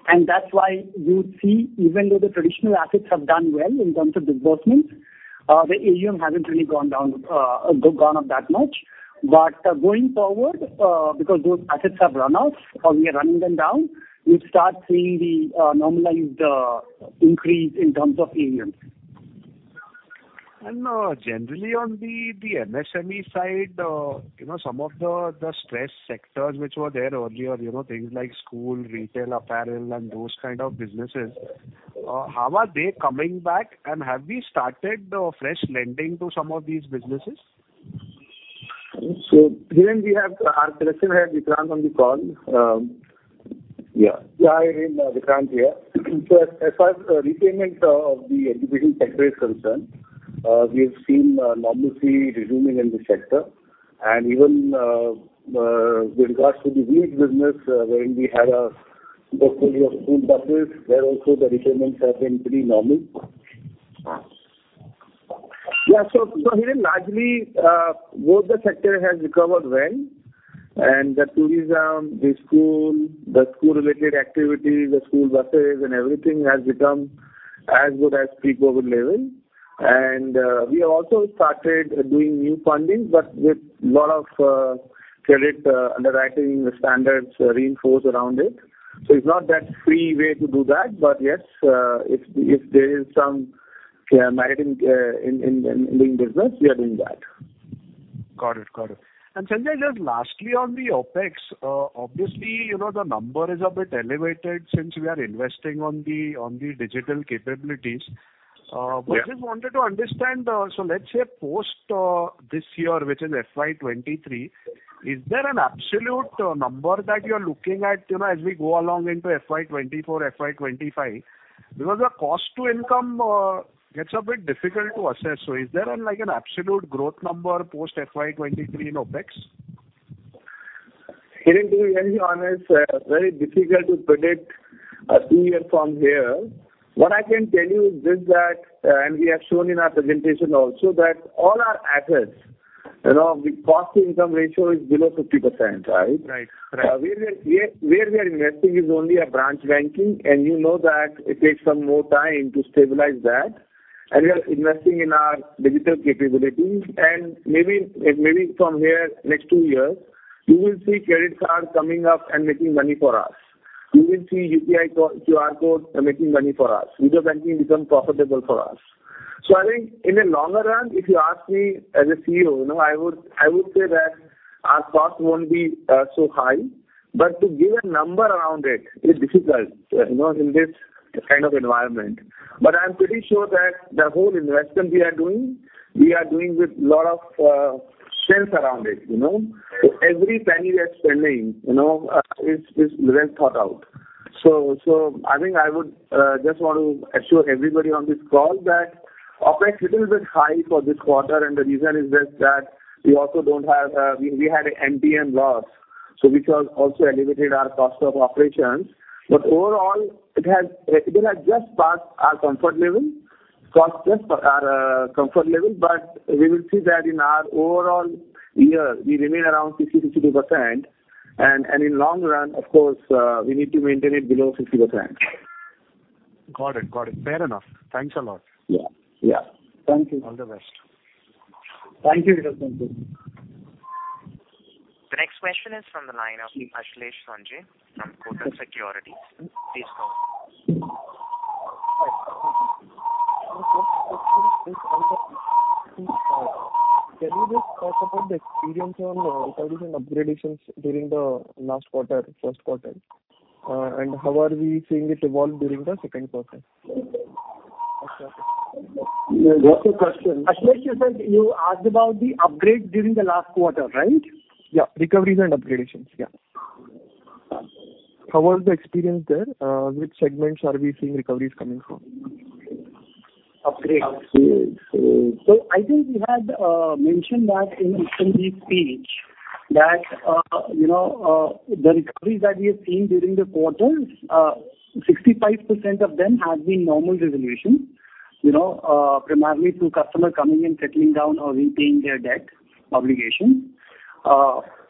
and that's why you would see, even though the traditional assets have done well in terms of disbursements, the AUM hasn't really gone up that much. Going forward, because those assets have run off or we are running them down, we start seeing the normalized increase in terms of AUM. Generally on the MSME side, you know, some of the stressed sectors which were there earlier, you know, things like school, retail, apparel and those kind of businesses, how are they coming back? Have we started fresh lending to some of these businesses? Hiral, we have our Head of Collections, Vikrant, on the call. Yeah. Yeah. Hiral, Vikrant here. As far as repayment of the education sector is concerned, we have seen normalcy resuming in the sector and even with regards to the vehicle business, when we had a portfolio of school buses, where also the repayments have been pretty normal. Yeah. Hiral largely, both the sector has recovered well and the tourism, the school related activities, the school buses and everything has become as good as pre-COVID level. We have also started doing new funding, but with lot of credit underwriting standards reinforced around it. It's not that freewheeling way to do that. But yes, if there is some merit in business, we are doing that. Got it. Sanjay, just lastly on the OpEx, obviously, you know, the number is a bit elevated since we are investing in the digital capabilities. Yeah. just wanted to understand, so let's say post this year, which is FY 2023, is there an absolute number that you're looking at, you know, as we go along into FY 2024, FY 2025? Because the cost to income gets a bit difficult to assess. Is there like an absolute growth number post FY 2023 in OpEx? Hiral, to be very honest, very difficult to predict, two years from here. What I can tell you is just that, and we have shown in our presentation also that all our assets, you know, the cost to income ratio is below 50%, right? Right. Correct. Where we are investing is only a branch banking. You know that it takes some more time to stabilize that. We are investing in our digital capabilities. Maybe from here next two years, you will see credit cards coming up and making money for us. You will see UPI QR code making money for us. Digital banking become profitable for us. I think in the longer run, if you ask me as a CEO, you know, I would say that our costs won't be so high. To give a number around it is difficult, you know, in this kind of environment. I'm pretty sure that the whole investment we are doing, we are doing with lot of sense around it, you know. Every penny we are spending, you know, is well thought out. I think I would just want to assure everybody on this call that OpEx little bit high for this quarter. The reason is just that we had a NPA loss, so which has also elevated our cost of operations. Overall it has just passed our comfort level cost test for our comfort level. We will see that in our overall year we remain around 50%-62%. In long run of course, we need to maintain it below 60%. Got it. Fair enough. Thanks a lot. Yeah. Yeah. Thank you. All the best. Thank you, Hiral Desai. Thank you. The next question is from the line of Ashlesh Sonje from Kotak Securities. Please go ahead. Can you just talk about the experience on the recoveries and upgradations during the last quarter, Q1? How are we seeing it evolve during the second quarter? What's the question? Ashlesh, you said you asked about the upgrade during the last quarter, right? Yeah. Recoveries and upgrades. Yeah. How was the experience there? Which segments are we seeing recoveries coming from? Upgrades. I think we had mentioned that in the page that, you know, the recoveries that we have seen during the quarter, 65% of them have been normal resolution. You know, primarily through customer coming and settling down or repaying their debt obligation.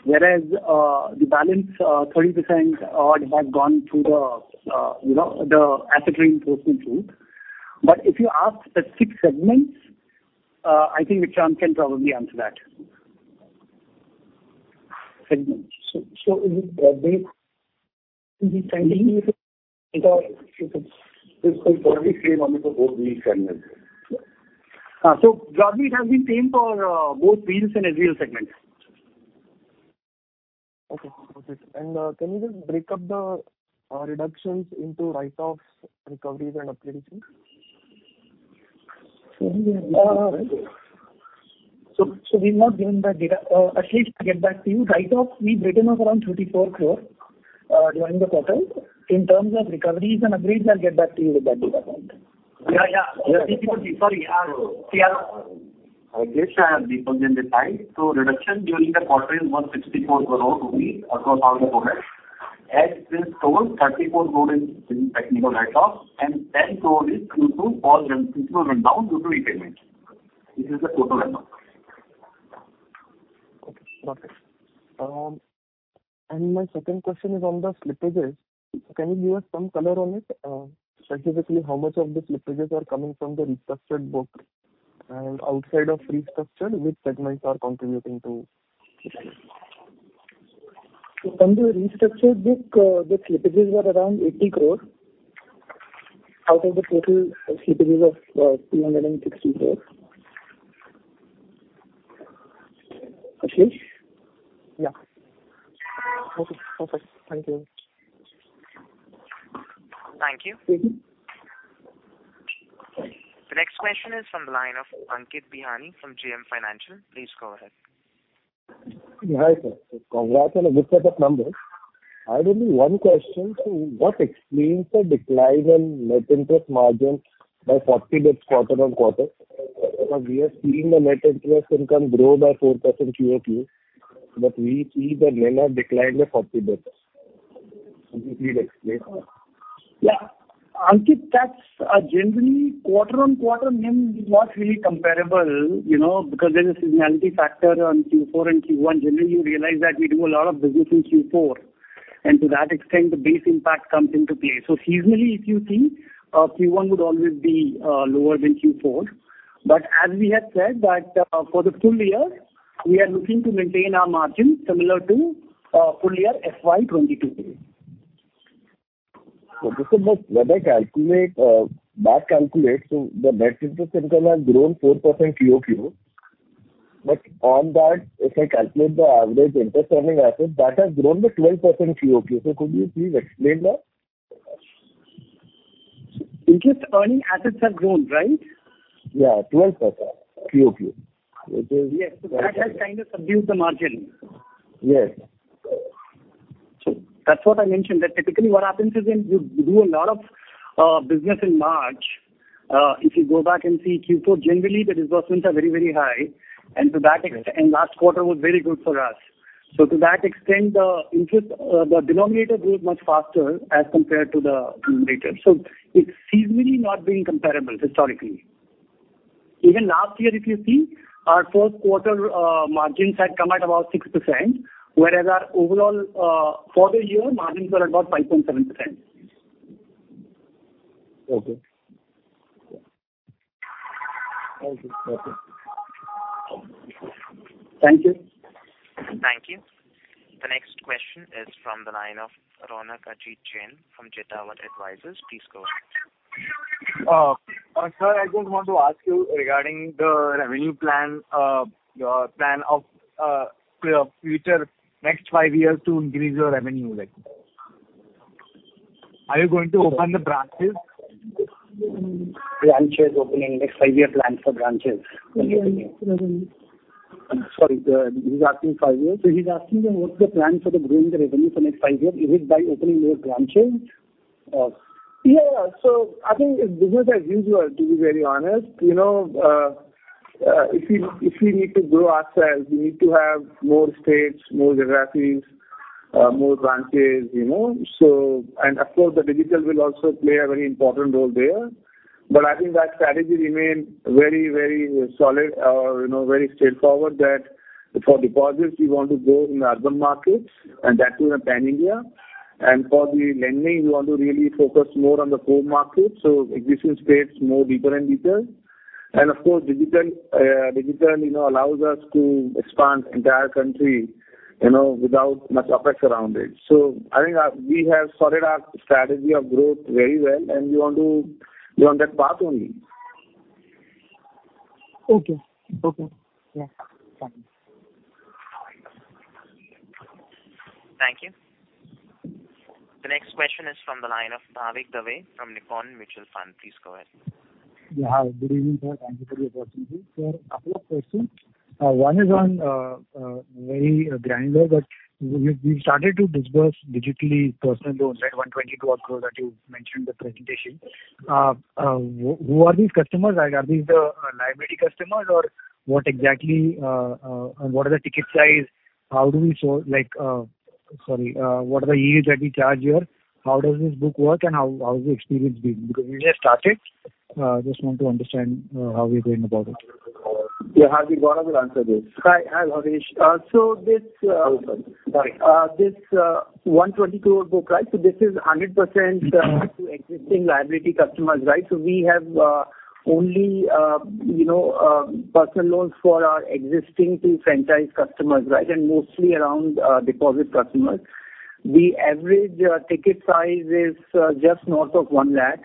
Whereas, the balance, 30%, have gone through the, you know, the asset reinforcement route. But if you ask specific segments, I think Vikrant can probably answer that. Segments. Is it broadly or if it's both these segments? Broadly it has been same for both Wheels and SBL segments. Okay. Got it. Can you just break up the reductions into write-offs, recoveries, and upgrades? We've not given that data. Ashlesh Sonje will get back to you. Write-offs, we've written off around 34 crore during the quarter. In terms of recoveries and upgrades, I'll get back to you with that data point. Yeah, yeah. Sorry, yeah. See, I guess I have details in the time. Reduction during the quarter was 64 crore rupees only across all the products. As this total, 34 crore is in technical write-off and 10 crore is due to all principal rundown due to repayment. This is the total amount. Okay. Got it. My second question is on the slippages. Can you give us some color on it? Specifically how much of the slippages are coming from the restructured book? Outside of restructured, which segments are contributing to slippages? From the restructured book, the slippages were around 80 crore out of the total slippages of 260 crores. Ashlesh? Yeah. Okay. Perfect. Thank you. Thank you. Thank you. The next question is from the line of Ankit Bihani from JM Financial. Please go ahead. Hi, sir. Congrats on a good set of numbers. I have only one question. What explains the decline in net interest margin by 40 basis points quarter-on-quarter? Because we are seeing the net interest income grow by 4% QoQ, but we see the NIM declined by 40 basis points. Could you please explain? Yeah. Ankit, that's generally quarter-on-quarter NIM is not really comparable, you know, because there is seasonality factor on Q4 and Q1. Generally, you realize that we do a lot of business in Q4, and to that extent, the base impact comes into play. Seasonally, if you see, Q1 would always be lower than Q4. As we have said that, for the full year, we are looking to maintain our margin similar to full year FY 2022. When I calculate, back calculate, the net interest income has grown 4% QoQ. On that, if I calculate the average interest earning asset, that has grown by 12% QoQ. Could you please explain that? Interest earning assets have grown, right? Yeah, 12% QoQ, which is. Yes. That has kind of subdued the margin. Yes. That's what I mentioned, that typically what happens is when you do a lot of business in March, if you go back and see Q4, generally the disbursements are very, very high. To that extent, last quarter was very good for us. To that extent, the interest, the denominator grew much faster as compared to the numerator. It's seasonally not being comparable historically. Even last year, if you see, our Q4 margins had come at about 6%, whereas our overall, for the year margins were about 5.7%. Okay. Thank you. Okay. Thank you. Thank you. The next question is from the line of Ronak Jain from Chitwan Advisors. Please go ahead. Sir, I just want to ask you regarding the revenue plan, your plan for future, next five years to increase your revenue like. Are you going to open the branches? Branches opening, next five-year plan for branches. Sorry, he's asking five years. He's asking them what's the plan for growing the revenue for next five years. Is it by opening more branches? Or Yeah. I think it's business as usual, to be very honest. You know, if we need to grow ourselves, we need to have more states, more geographies, more branches, you know. Of course, the digital will also play a very important role there. I think that strategy remain very, very solid or, you know, very straightforward that for deposits we want to grow in urban markets and that we are planning here. For the lending, we want to really focus more on the core market, so existing states more deeper and deeper. Of course, digital allows us to expand entire country, you know, without much CapEx around it. I think we have sorted our strategy of growth very well, and we want to be on that path only. Okay. Okay. Yeah. Thank you. The next question is from the line of Bhavik Dave from Nippon India Mutual Fund. Please go ahead. Yeah. Good evening, sir. Thank you for your opportunity. A couple of questions. One is very granular, but you started to disburse digital personal loans at 122 crore that you mentioned in the presentation. Who are these customers? Like, are these the liability customers or what exactly? What are the ticket size? How do we source like? Sorry. What are the yields that we charge here? How does this book work, and how is the experience been? Because you just started, just want to understand how we are going about it. Yeah, Bhavik, Gaurav will answer this. Hi. Hi, Bhavik Hathi. This.... Oh, sorry. Sorry. This 122 crore book, right? This is 100% to existing liability customers, right? We have only you know personal loans for our existing true franchise customers, right, and mostly around deposit customers. The average ticket size is just north of 1 lakh,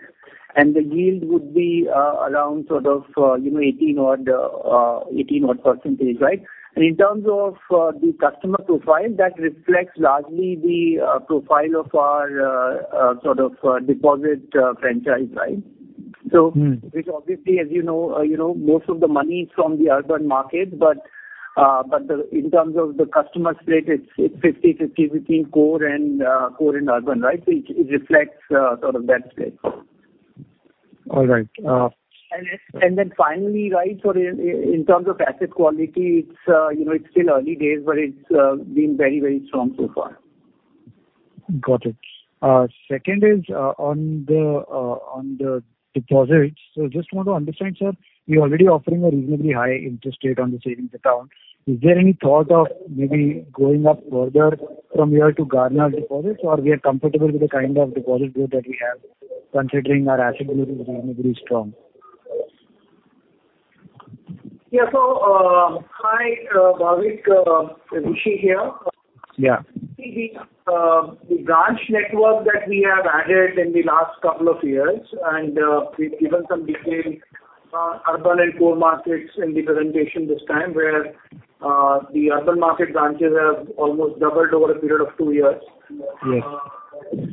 and the yield would be around sort of you know 18-odd%, right? In terms of the customer profile, that reflects largely the profile of our sort of deposit franchise, right? Mm-hmm. Which obviously, as you know, you know, most of the money is from the urban market. In terms of the customer split, it's 50/50 between rural and urban, right? It reflects sort of that split. All right. Finally, right, so in terms of asset quality, it's, you know, it's been very, very strong so far. Got it. Second is on the deposits. Just want to understand, sir, you're already offering a reasonably high interest rate on the savings account. Is there any thought of maybe going up further from here to garner deposits or we are comfortable with the kind of deposit growth that we have considering our asset quality is reasonably strong? Yeah. Hi, Bhavik. Rishi here. Yeah. The branch network that we have added in the last couple of years and we've given some detail urban and core markets in the presentation this time where the urban market branches have almost doubled over a period of two years. Yes.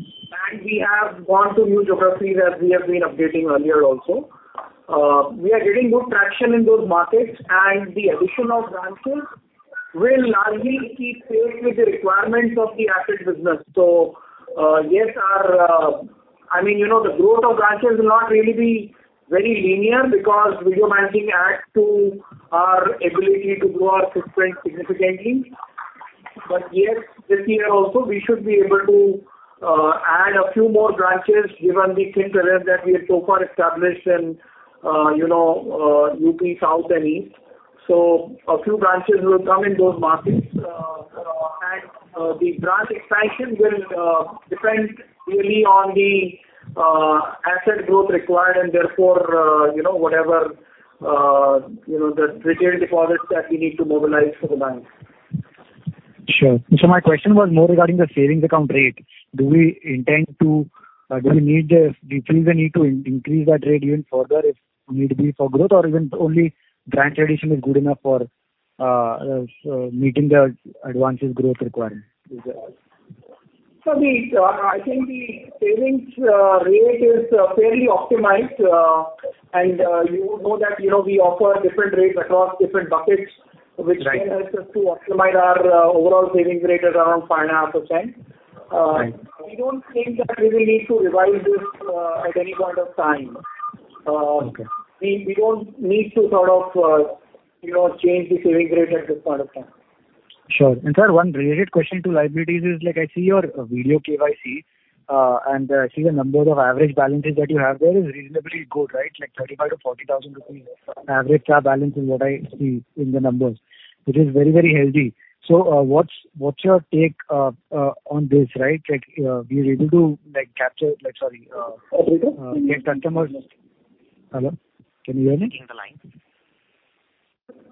We have gone to new geographies as we have been updating earlier also. We are getting good traction in those markets and the addition of branches will largely keep pace with the requirements of the asset business. I mean, you know, the growth of branches will not really be very linear because video banking adds to our ability to grow our footprint significantly. Yes, this year also we should be able to add a few more branches given the footprint that we have so far established in, you know, UP South and East. A few branches will come in those markets. The branch expansion will depend really on the asset growth required and therefore, you know, whatever, you know, the retail deposits that we need to mobilize for the bank. Sure. My question was more regarding the savings account rate. Do you feel the need to increase that rate even further if need be for growth or even only branch addition is good enough for so meeting the advances growth requirement? I think the savings rate is fairly optimized. You know that, you know, we offer different rates across different buckets- Right. Which then helps us to optimize our overall savings rate at around 5.5%. Right. We don't think that we will need to revise this, at any point of time. Okay. We don't need to sort of, you know, change the savings rate at this point of time. Sure. Sir, one related question to liabilities is like I see your video KYC, and I see the numbers of average balances that you have there is reasonably good, right? Like 35,000- 40,000 average CA balance is what I see in the numbers, which is very, very healthy. What's your take on this, right? Like we are able to like capture like. Sorry. Get customers. Hello? Can you hear me? Cutting the line.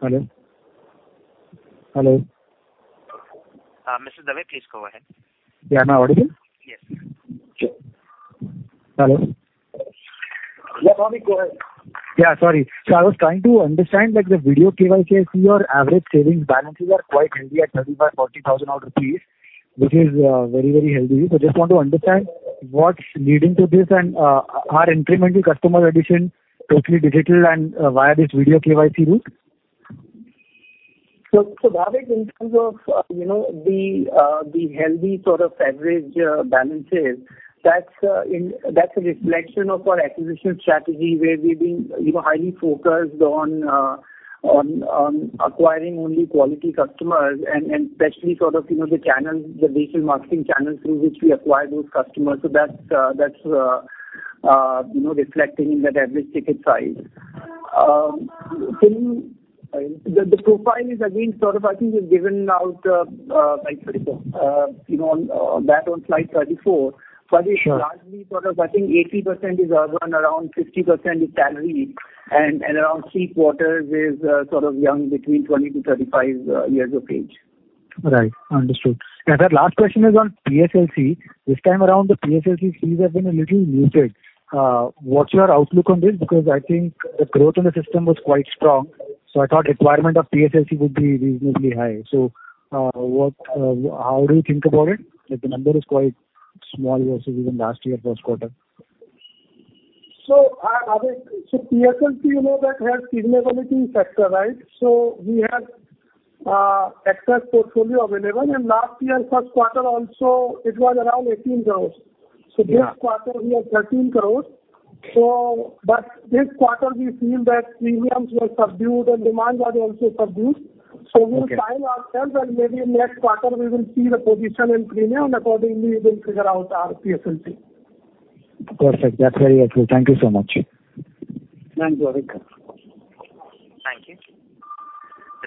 Hello? Hello? Mr. Dave, please go ahead. Yeah. Am I audible? Yes. Hello. Yeah, Bhavik, go ahead. Yeah, sorry. I was trying to understand, like the video KYC. I see your average savings balances are quite healthy at 35,000-40,000 odd rupees, which is, very, very healthy. Just want to understand what's leading to this and, are incremental customer addition totally digital and, via this video KYC route? Bhavik, in terms of you know the healthy sort of average balances, that's a reflection of our acquisition strategy where we've been you know highly focused on acquiring only quality customers and especially sort of you know the channels, the digital marketing channels through which we acquire those customers. That's reflecting in that average ticket size. The profile is again sort of I think we've given out like you know on that on slide 34. Sure. It's largely sort of I think 80% is urban, around 50% is salaried and around three-quarters is sort of young between 20 to 35 years of age. Right. Understood. Sir, last question is on PSLC. This time around, the PSLC fees have been a little muted. What's your outlook on this? Because I think the growth in the system was quite strong, so I thought requirement of PSLC would be reasonably high. What, how do you think about it? Like the number is quite small versus even last year Q1. So, PSLC, you know that we have seasonality factor, right? We have excess portfolio available. Last year Q1 also it was around 18 crore. Yeah. This quarter we have 13 crore. This quarter we feel that premiums were subdued and demand was also subdued. Okay. We'll time ourselves and maybe next quarter we will see the position in premium. Accordingly, we will figure out our PSLC. Perfect. That's very helpful. Thank you so much. Thank you, Bhavik. Thank you.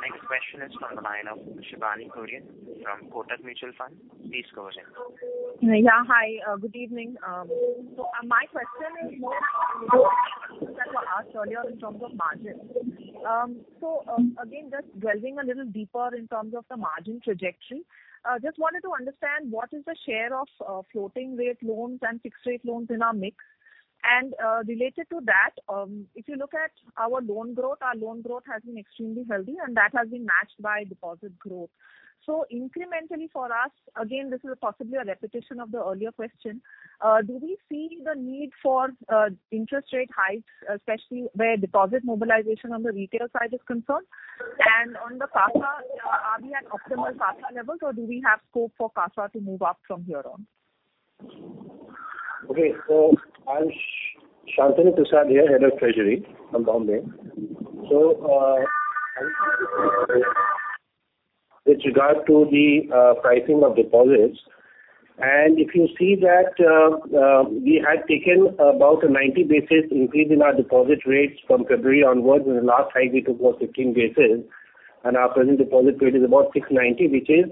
The next question is from the line of Shibani Kurian from Kotak Mutual Fund. Please go ahead. Yeah. Hi. Good evening. My question is that was asked earlier in terms of margins. Again, just delving a little deeper in terms of the margin trajectory, just wanted to understand what is the share of floating rate loans and fixed rate loans in our mix. Related to that, if you look at our loan growth, our loan growth has been extremely healthy, and that has been matched by deposit growth. Incrementally for us, again this is possibly a repetition of the earlier question, do we see the need for interest rate hikes, especially where deposit mobilization on the retail side is concerned? On the CASA, are we at optimal CASA levels or do we have scope for CASA to move up from here on? Okay. I'm Shantanu Prasad here, Head of Treasury from Bombay. With regard to the pricing of deposits, and if you see that, we had taken about a 90 basis increase in our deposit rates from February onwards. In the last hike we took was 15 basis and our present deposit rate is about 6.90, which is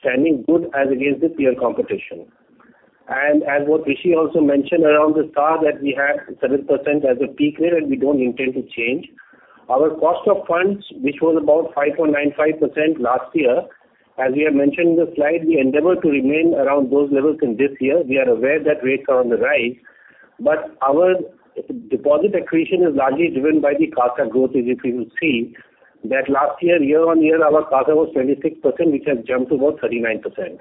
standing good as against the peer competition. As what Rishi also mentioned around the CASA that we have 7% as a peak rate, and we don't intend to change. Our cost of funds, which was about 5.95% last year. As we have mentioned in the slide, we endeavor to remain around those levels in this year. We are aware that rates are on the rise, but our deposit accretion is largely driven by the CASA growth. As you will see that last year-on-year our CASA was 26%, which has jumped to about 39%.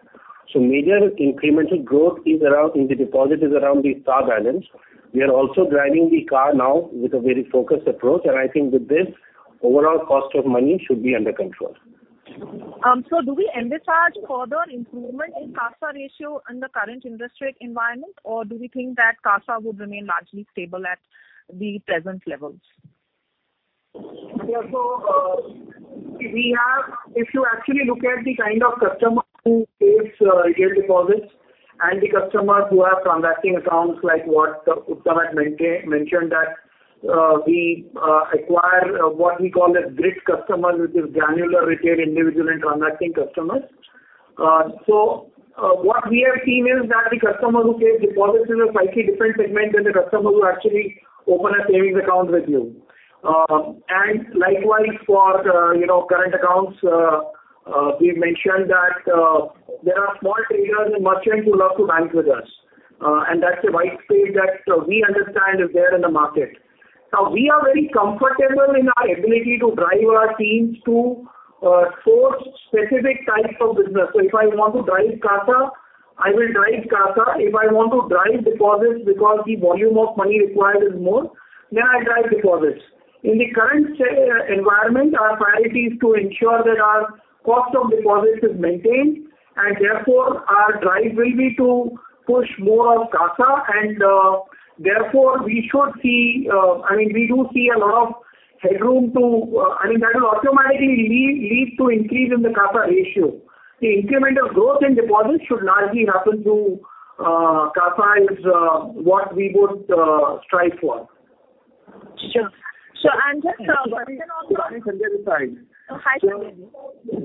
Major incremental growth is around in the deposit around the CASA balance. We are also driving the CASA now with a very focused approach and I think with this overall cost of money should be under control. Do we envisage further improvement in CASA ratio in the current interest rate environment, or do we think that CASA would remain largely stable at the present levels? If you actually look at the kind of customer who saves yield deposits and the customers who have transacting accounts, like what Uttam had mentioned that we acquire what we call a GRIT customer, which is granular retail individual and transacting customers. What we have seen is that the customer who saves deposits is a slightly different segment than the customer who actually open a savings account with you. Likewise for, you know, current accounts, we've mentioned that there are small traders and merchants who love to bank with us, and that's a white space that we understand is there in the market. Now we are very comfortable in our ability to drive our teams to source specific types of business. If I want to drive CASA, I will drive CASA. If I want to drive deposits because the volume of money required is more, then I drive deposits. In the current SA environment, our priority is to ensure that our cost of deposits is maintained and therefore our drive will be to push more of CASA and therefore we should see, I mean we do see a lot of headroom to, I mean that will automatically lead to increase in the CASA ratio. The incremental growth in deposits should largely happen through CASA is what we would strive for. Sure. Shibani Kurian, Shantanu Prasad. Oh, hi, Shantanu.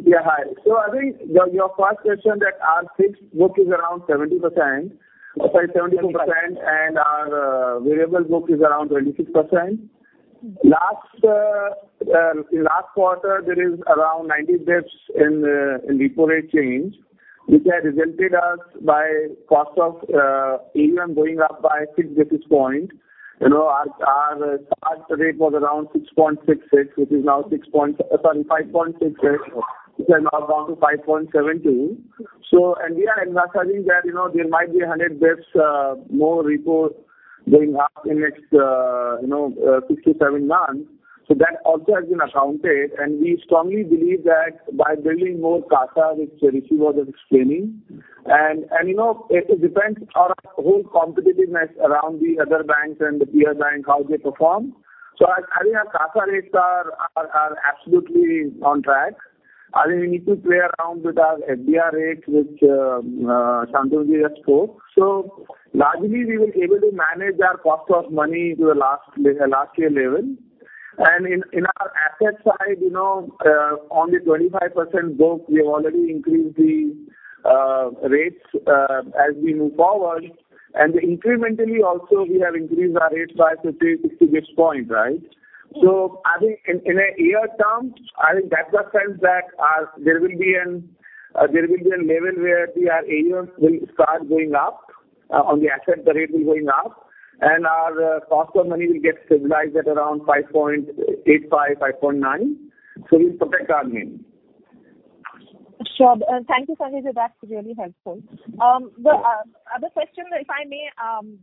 Yeah, hi. I think your first question that our fixed book is around 72% and our variable book is around 26%. Last quarter there is around 90 basis points in repo rate change, which has affected us by cost of funds even going up by six basis points. You know our start rate was around 6.66, which is now 5.66, which are now down to 5.70. We are acknowledging that, you know, there might be 100 basis points more repo rate going up in next six to seven months. That also has been accounted and we strongly believe that by building more CASA, which Rishi was explaining and you know it depends on our whole competitiveness around the other banks and the peer banks, how they perform. I think our CASA rates are absolutely on track. I think we need to play around with our FDR rates, which Shantanu just spoke. Largely we will be able to manage our cost of money to the last year level. In our asset side, you know only 25% book, we have already increased the rates as we move forward. Incrementally also we have increased our rates by 50, 60 basis points, right? I think in the near term, I think that's the sense that there will be a level where the asset rate will start going up and our cost of money will get stabilized at around 5.85%-5.9%. We'll protect our margin. Sure. Thank you, Sanjay. That's really helpful. The other question, if I may,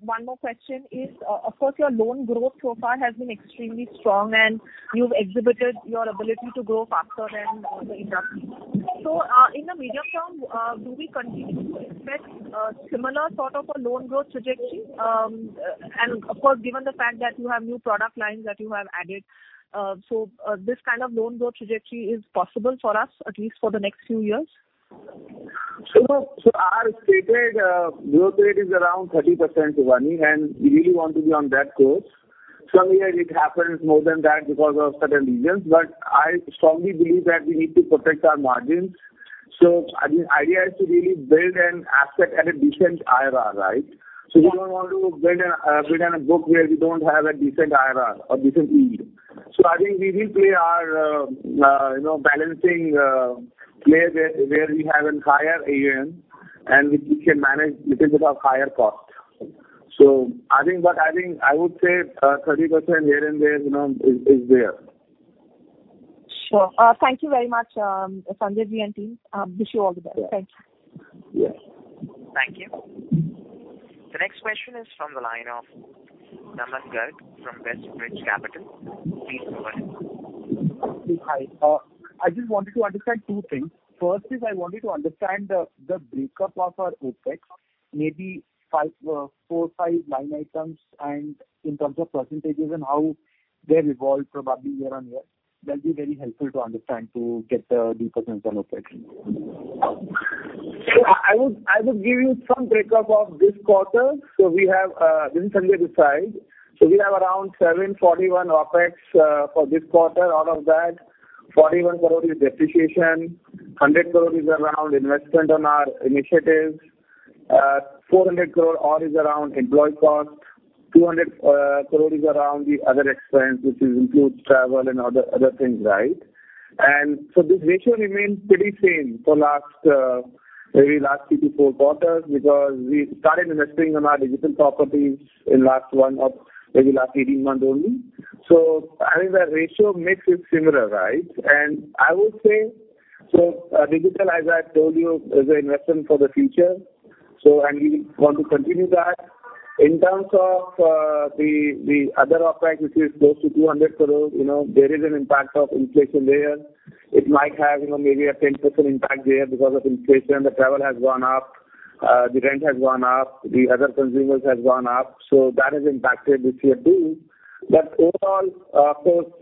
one more question is, of course, your loan growth so far has been extremely strong and you've exhibited your ability to grow faster than the industry. In the medium term, do we continue to expect similar sort of a loan growth trajectory? Of course, given the fact that you have new product lines that you have added, so, this kind of loan growth trajectory is possible for us at least for the next few years? Our stated growth rate is around 30% YoY, and we really want to be on that course. Some years it happens more than that because of certain reasons, but I strongly believe that we need to protect our margins. Idea is to really build an asset at a decent IRR, right? Mm-hmm. We don't want to build on a book where we don't have a decent IRR or decent yield. I think we will play our you know balancing play where we have a higher AUM and we can manage because of our higher cost. I think what I would say 30% here and there you know is there. Sure. Thank you very much, Sanjay Agarwal and team. Wish you all the best. Yeah. Thank you. Yes. Thank you. The next question is from the line of Naman Garg from WestBridge Capital. Please go ahead. Hi. I just wanted to understand two things. First is I wanted to understand the breakup of our OpEx, maybe four, five line items and in terms of percentages and how they evolve probably year-over-year. That'll be very helpful to understand to get a deeper sense on OpEx. I would give you some breakdown of this quarter. We have Vimal here this side. We have around 741 crore OpEx for this quarter. Out of that, 41 crore is depreciation. 100 crore is around investment on our initiatives. 400 crore all is around employee cost. 200 crore is around the other expense, which includes travel and other things, right? This ratio remains pretty same for last maybe last three to four quarters because we started investing on our digital properties in last one or maybe last 18 months only. I think the ratio mix is similar, right? I would say so digital, as I told you, is a investment for the future, and we want to continue that. In terms of the other OpEx, which is close to 200 crore, you know, there is an impact of inflation there. It might have, you know, maybe a 10% impact there because of inflation. The travel has gone up. The rent has gone up. The other consumables has gone up. That has impacted this year too. Overall, of course,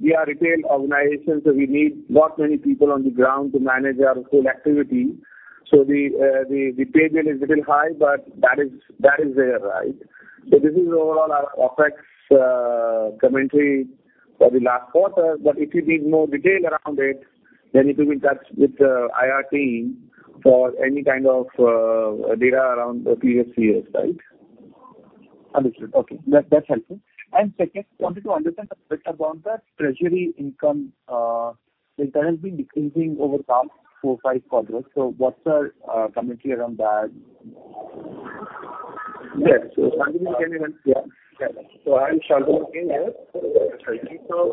we are a retail organization, so we need not many people on the ground to manage our whole activity. The pay bill is little high, but that is there, right? This is overall our OpEx commentary for the last quarter. If you need more detail around it, then you can be in touch with the IR team for any kind of data around the previous years, right? Understood. Okay. That, that's helpful. Second, wanted to understand a bit about the treasury income. It has been decreasing over past four, five quarters. What's our commentary around that? Yes. Sanjay, you can even- Yeah. Yeah. I am Shantanu again here. Thank you.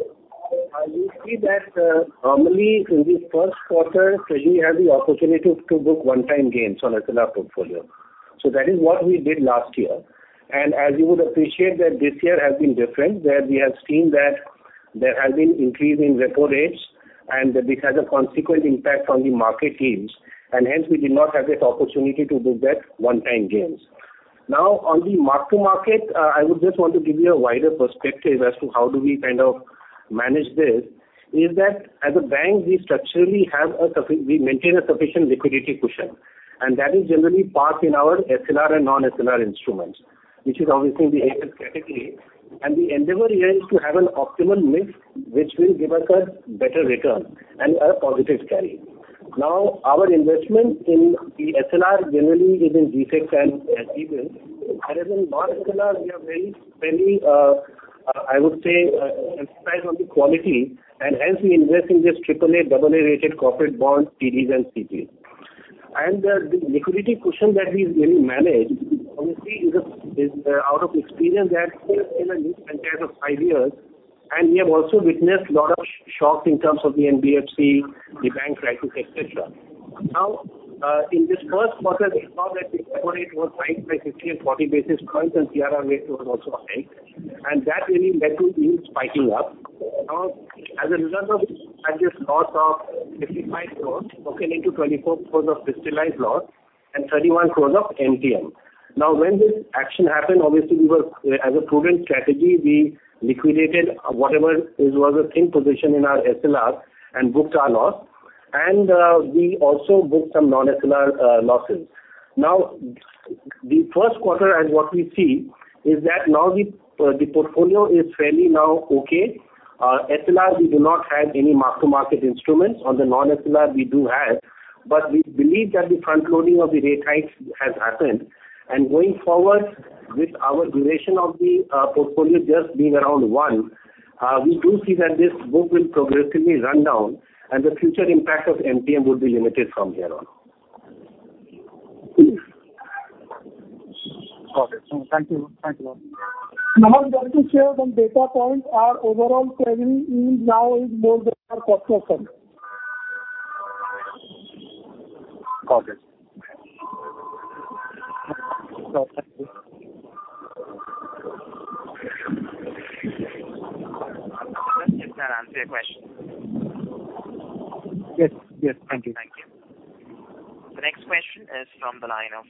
You see that normally in Q1, treasury has the opportunity to book one-time gains on SLR portfolio. That is what we did last year. As you would appreciate that this year has been different, where we have seen that there has been increasing repo rates and this has a consequent impact on the market gains and hence we did not have that opportunity to book that one-time gains. Now on the mark-to-market, I would just want to give you a wider perspective as to how do we kind of manage this is that as a bank we structurally have we maintain a sufficient liquidity cushion and that is generally parked in our SLR and non-SLR instruments, which is obviously the AFS category. The endeavor here is to have an optimal mix which will give us a better return and a positive carry. Now our investment in the SLR generally is in G-Secs and SDLs. In non-SLR we are very, I would say, emphasize on the quality and hence we invest in just AAA, AA rated corporate bonds, TDs and CPs. The liquidity cushion that we mainly manage obviously is out of experience that we are in a new era of five years and we have also witnessed a lot of shocks in terms of the NBFC, the bank crisis, et cetera. In Q1 we saw that the repo rate was hiked by 50 and 40 basis points and CRR rate was also hiked and that really led to yields spiking up. Now as a result of this, we had this loss of 55 crore broken into 24 crore of crystallized loss and 31 crore of MTM. Now when this action happened, obviously we were, as a prudent strategy, we liquidated whatever it was a thin position in our SLR and booked our loss and we also booked some non-SLR losses. Now Q1 and what we see is that now the portfolio is fairly now okay. SLR we do not have any mark to market instruments. On the non-SLR we do have, but we believe that the frontloading of the rate hikes has happened and going forward with our duration of the portfolio just being around one, we do see that this book will progressively run down and the future impact of MTM would be limited from here on. Got it. Thank you. Thank you very much. No, I'm going to share some data points. Our overall trending is now more than our cost structure. Got it. Does that answer your question? Yes. Yes. Thank you. Thank you. The next question is from the line of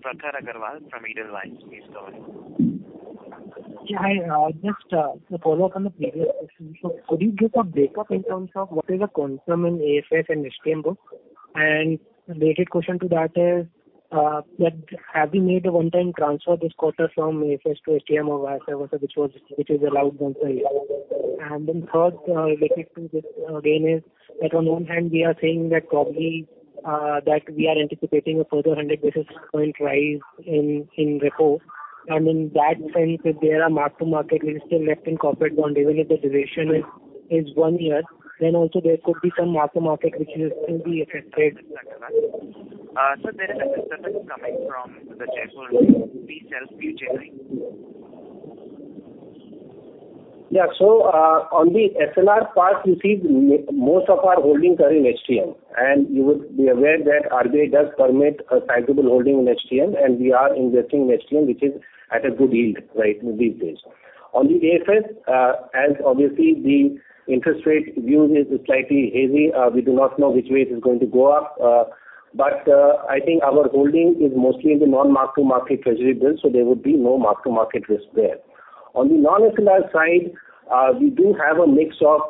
Pratap Agarwal from Edelweiss. Please go ahead. Yeah. Just to follow up on the previous question. Could you give a breakup in terms of what is the quantum in AFS and HTM book? Related question to that is that have you made a one-time transfer this quarter from AFS to HTM or vice versa, which is allowed once a year. Third, related to this gain is that on one hand, we are saying that probably we are anticipating a further 100 basis points rise in repo. In that sense, if there are mark-to-market losses left in corporate bond, even if the duration is one year, then also there could be some mark-to-market which is going to be affected. There is a system coming from the shareholders. Please help me generate. Yeah. On the SLR part, you see most of our holdings are in HTM, and you would be aware that RBI does permit a sizable holding in HTM, and we are investing in HTM, which is at a good yield right these days. On the AFS, as obviously the interest rate view is slightly heavy, we do not know which way it is going to go up. I think our holding is mostly in the non-mark-to-market treasury bills, so there would be no mark-to-market risk there. On the non-SLR side, we do have a mix of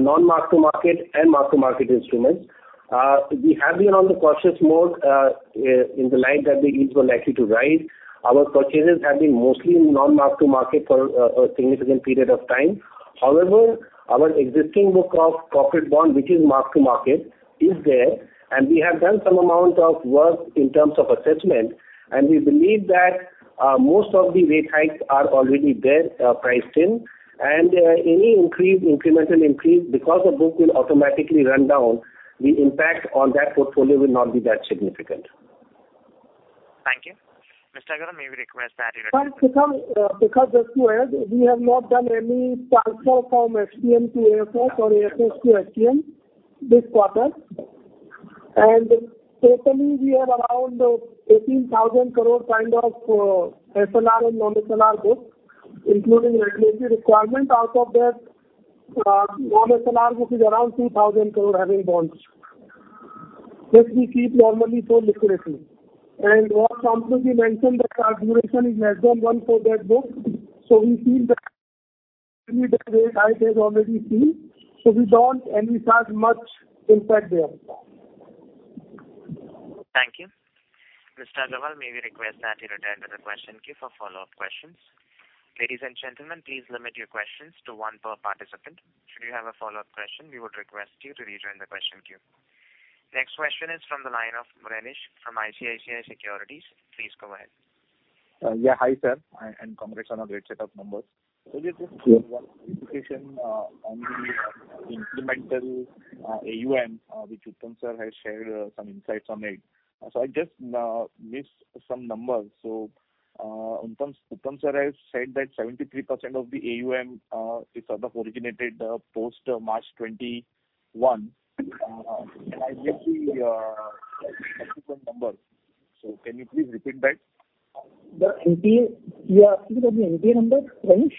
non-mark-to-market and mark-to-market instruments. We have been on the cautious mode in the line that the yields were likely to rise. Our purchases have been mostly in non-mark-to-market for a significant period of time. However, our existing book of corporate bond, which is mark-to-market, is there, and we have done some amount of work in terms of assessment, and we believe that, most of the rate hikes are already there, priced in. Any incremental increase because the book will automatically run down, the impact on that portfolio will not be that significant. Thank you. Mr. Agarwal, may we request that you- Well, because just to add, we have not done any transfer from HTM to AFS or AFS to HTM this quarter. Totally we have around 18,000 crore kind of, SLR and non-SLR books, including regulatory requirement. Out of that, non-SLR book is around 2,000 crore having bonds, which we keep normally for liquidity. What Sanjay Agarwal mentioned that our duration is maximum one for that book. We feel that rate hike has already seen, so we don't anticipate much impact there. Thank you. Mr. Agarwal, may we request that you return to the question queue for follow-up questions. Ladies and gentlemen, please limit your questions to one per participant. Should you have a follow-up question, we would request you to rejoin the question queue. Next question is from the line of Renish from ICICI Securities. Please go ahead. Yeah. Hi, sir, and congrats on a great set of numbers. Thank you. Just one clarification on the incremental AUM, which Uttam sir has shared some insights on it. I just missed some numbers. Uttam has said that 73% of the AUM is sort of originated post March 2021. And I missed the subsequent numbers. Can you please repeat that? The NPA, you are asking about the NPA number, Renish?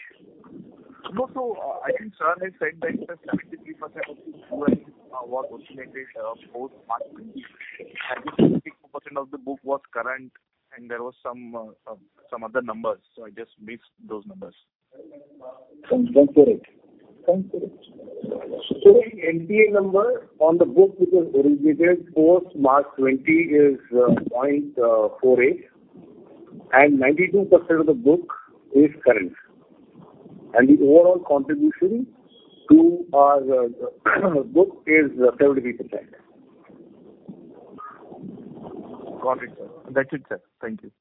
No. I think sir has said that 73% of the AUM was originated post March 2020. 62% of the book was current and there was some other numbers. I just missed those numbers. Sounds correct. The NPA number on the book which was originated post March 2020 is 0.48 and 92% of the book is current. The overall contribution to our book is 70%. Got it, sir. That's it, sir. Thank you.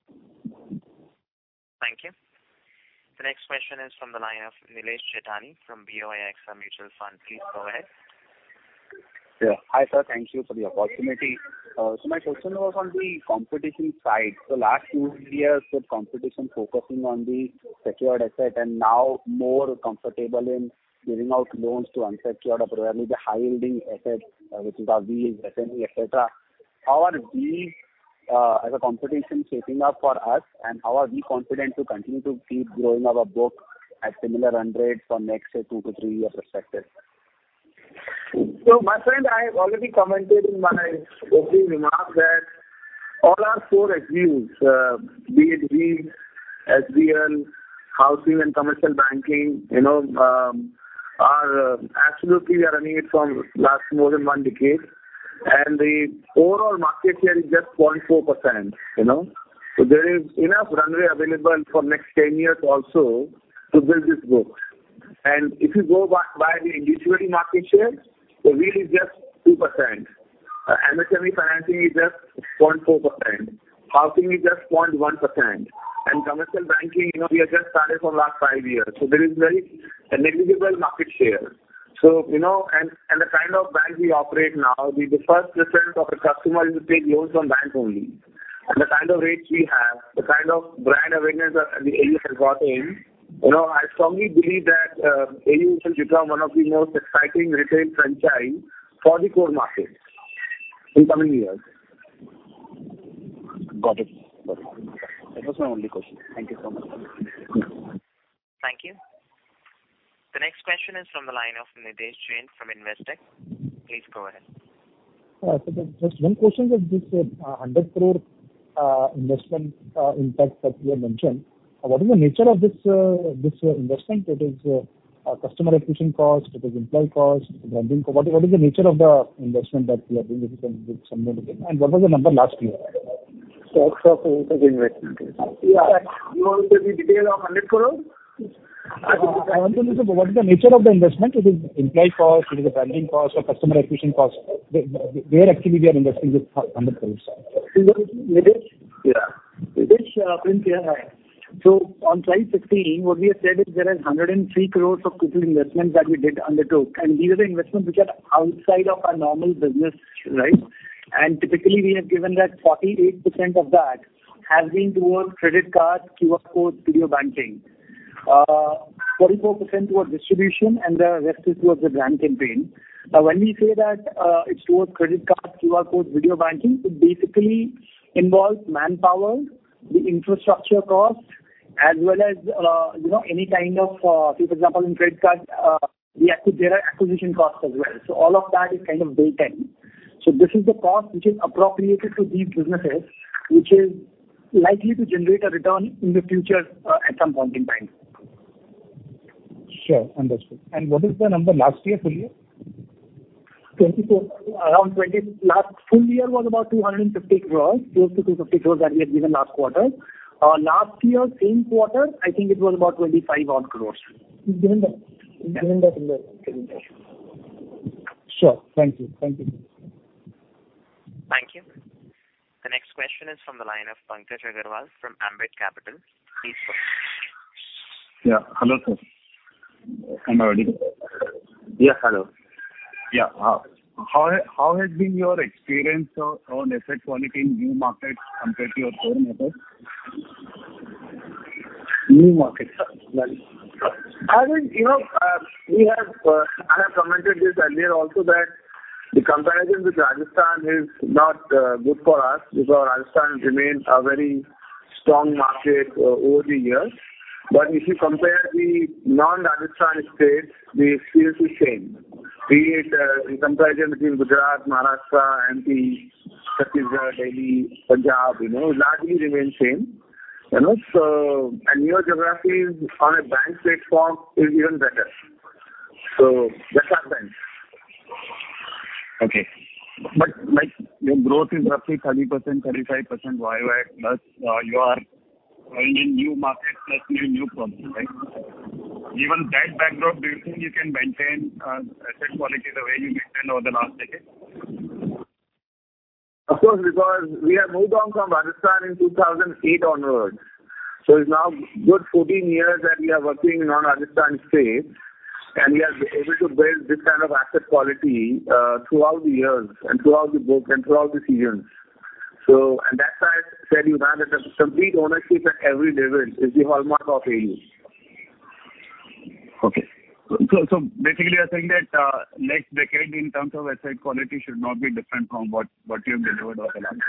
Thank you. The next question is from the line of Nilesh Jethani from BOI Mutual Fund. Please go ahead. Yeah. Hi, sir. Thank you for the opportunity. My question was on the competition side. Last two, three years with competition focusing on the secured asset and now more comfortable in giving out loans to unsecured or probably the high-yielding assets, which is Wheels, SME, et cetera. How are we as competition shaping up for us and how are we confident to continue to keep growing our book at similar run rates for next, say, two to three year perspective? My friend, I have already commented in my opening remarks that all our four SBUs, be it Wheels, SBL, housing and commercial banking, you know, are absolutely, we are running it for last more than one decade and the overall market share is just 0.4%, you know. There is enough runway available for next 10 years also to build this book. If you go by the individual market share, we're just 2%. MSME financing is just 0.4%. Housing is just 0.1%. Commercial banking, you know, we have just started from last five years. There is very negligible market share. The kind of bank we operate now, the 1% of the customers will take loans from banks only. The kind of rates we have, the kind of brand awareness that AU has gotten, you know, I strongly believe that AU will become one of the most exciting retail franchise for the core market in coming years. Got it. That was my only question. Thank you so much. Thank you. The next question is from the line of Nidhesh Jain from Investec. Please go ahead. Just one question: is this 100 crore investment impact that you have mentioned? What is the nature of this investment? Is it customer acquisition cost? Is it employee cost? Branding? What is the nature of the investment that you are doing, if you can sum it up again? What was the number last year? It was investment. You want the detail of 100 crore? I want to know, sir, what is the nature of the investment? It is employee cost, it is a branding cost or customer acquisition cost. Where actually we are investing this 100 crores? Nidhesh. Yeah. Nidhesh from Investec. On slide 15, what we have said is there is 103 crore of total investment that we did undertook, and these are the investments which are outside of our normal business. Right? Typically, we have given that 48% of that has been towards credit cards, QR codes, video banking. 44% towards distribution, and the rest is towards the brand campaign. Now, when we say that, it's towards credit cards, QR codes, video banking, it basically involves manpower, the infrastructure costs, as well as, you know, any kind of, say, for example, in credit card, there are acquisition costs as well. So all of that is kind of day one. This is the cost which is appropriated to these businesses, which is likely to generate a return in the future, at some point in time. Sure. Understood. What is the number last year, full year? 24. Around 20. Last full year was about 250 crores. 250 crores that we had given last quarter. Last year, same quarter, I think it was about 25 odd crores. Sure. Thank you. Thank you. Thank you. The next question is from the line of Pankaj Agarwal from Ambit Capital. Please go ahead. Yeah. Hello, sir. Am I audible? Yes. Hello. Yeah. How has been your experience on asset quality in new markets compared to your core markets? New markets. Right. I mean, you know, we have, I have commented this earlier also that the comparison with Rajasthan is not good for us because Rajasthan remains a very strong market over the years. If you compare the non-Rajasthan states, we feel the same. Be it in comparison between Gujarat, Maharashtra, MP, Chhattisgarh, Delhi, Punjab, you know, largely remain same. You know. Newer geographies on a bank platform is even better. That's our bank. Okay. Like your growth is roughly 30%, 35% YoY plus, you are growing in new markets plus new products, right? Given that backdrop, do you think you can maintain asset quality the way you maintained over the last decade? Of course, because we have moved on from Rajasthan in 2008 onwards. It's now good 14 years that we are working in non-Rajasthan states, and we are able to build this kind of asset quality throughout the years and throughout the book and throughout the seasons. That's why I said, you know, that the complete ownership at every level is the hallmark of AU. Okay. Basically you are saying that next decade in terms of asset quality should not be different from what you've delivered over the last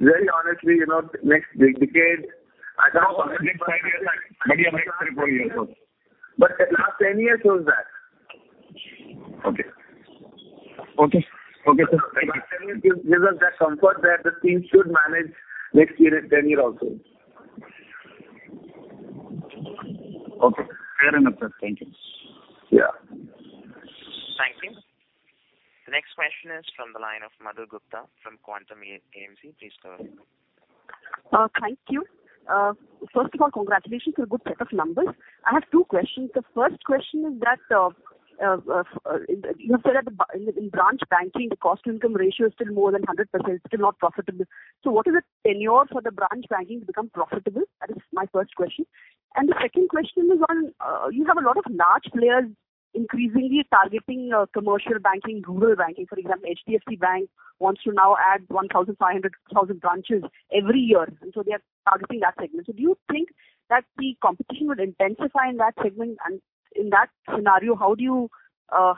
Very honestly, you know, next decade, I cannot comment it but. Maybe a mix three, four years also. The last 10 years shows that. Okay, sir. Thank you. Last 10 years gives us that comfort that the team should manage next year and 10 year also. Okay. Fair enough, sir. Thank you. Yeah. Thank you. The next question is from the line of Madhu Gupta from Quantum AMC. Please go ahead. Thank you. First of all, congratulations for a good set of numbers. I have two questions. The first question is that you said that in branch banking, the cost-income ratio is still more than 100%, still not profitable. What is the tenure for the branch banking to become profitable? That is my first question. The second question is, you have a lot of large players increasingly targeting commercial banking, rural banking. For example, HDFC Bank wants to now add 1,500 branches every year, and so they are targeting that segment. Do you think that the competition would intensify in that segment? And in that scenario, how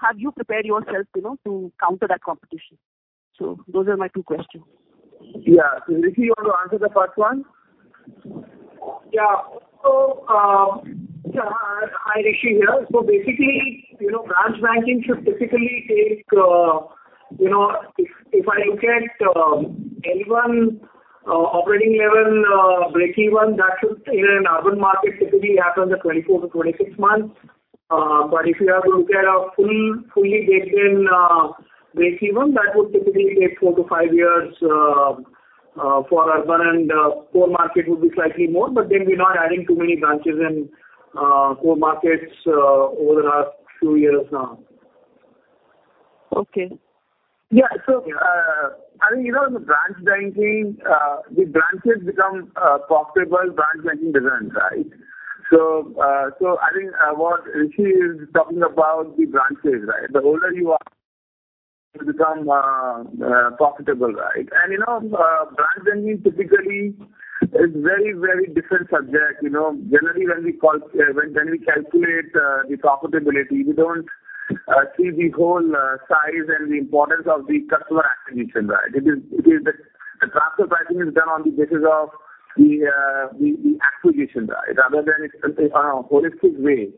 have you prepared yourself, you know, to counter that competition? Those are my two questions. Yeah. Rishi, you want to answer the first one? Hi, Rishi here. Basically, you know, branch banking should typically take, you know, if I look at any one operating level breakeven that should in an urban market typically happen 24-26 months. But if you have to look at a fully baked in breakeven, that would typically take four to five years for urban and core market would be slightly more. But then we're not adding too many branches in core markets over the last few years now. Okay. I mean, you know, the branch banking, the branches become profitable branch banking business, right? I think what Rishi is talking about the branches, right? The older you are become profitable, right? You know, branch banking typically is very, very different subject. You know, generally when we calculate the profitability, we don't see the whole size and the importance of the customer acquisition, right? It is the transfer pricing is done on the basis of the acquisition, right? Rather than it's holistic way.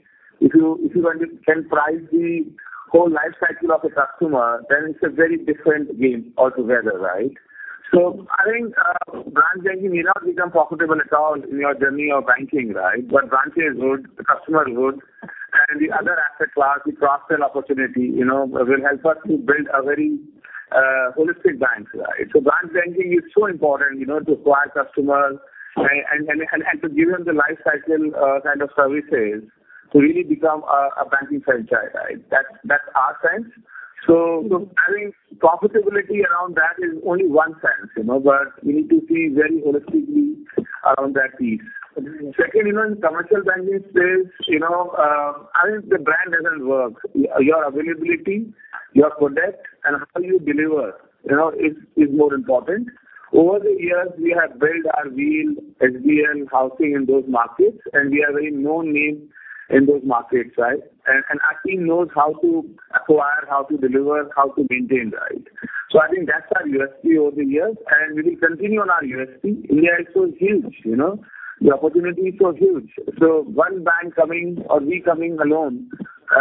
If you want to price the whole life cycle of a customer, then it's a very different game altogether, right? I think branch banking may not become profitable at all in your journey of banking, right? Branch is good, the customer is good, and the other asset class, the cross-sell opportunity, you know, will help us to build a very holistic bank, right? Branch banking is so important, you know, to acquire customers and to give them the life cycle kind of services to really become a banking franchise, right? That's our sense. I think profitability around that is only one sense, you know? We need to see very holistically around that piece. Second, even commercial banking says, you know, I think the brand doesn't work. Your availability, your product, and how you deliver, you know, is more important. Over the years, we have built our Wheels, SBL, housing in those markets, and we are a well-known name in those markets, right? Our team knows how to acquire, how to deliver, how to maintain, right? I think that's our USP over the years, and we will continue on our USP. India is so huge, you know. The opportunity is so huge. One bank coming or we coming alone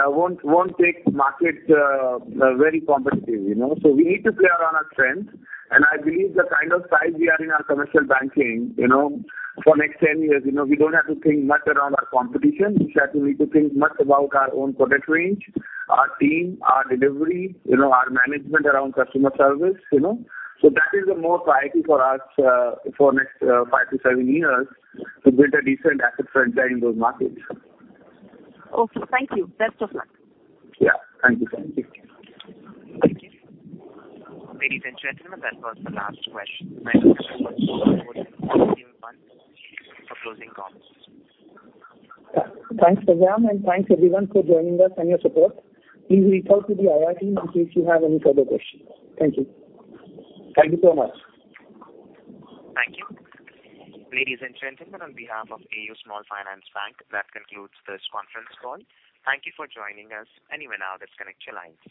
won't take market, very competitive, you know? We need to play around our strengths. I believe the kind of size we are in our commercial banking, you know, for next 10 years, you know, we don't have to think much around our competition. We have to think much about our own product range, our team, our delivery, you know, our management around customer service, you know. That is a more priority for us, for next, five to seven years to build a decent asset franchise in those markets. Okay. Thank you. Best of luck. Yeah. Thank you. Thank you. Ladies and gentlemen, that was the last question. Management for closing comments. Thanks, Faisan, and thanks everyone for joining us and your support. Please reach out to the IR team in case you have any further questions. Thank you. Thank you so much. Thank you. Ladies and gentlemen, on behalf of AU Small Finance Bank, that concludes this conference call. Thank you for joining us. You may now disconnect your lines.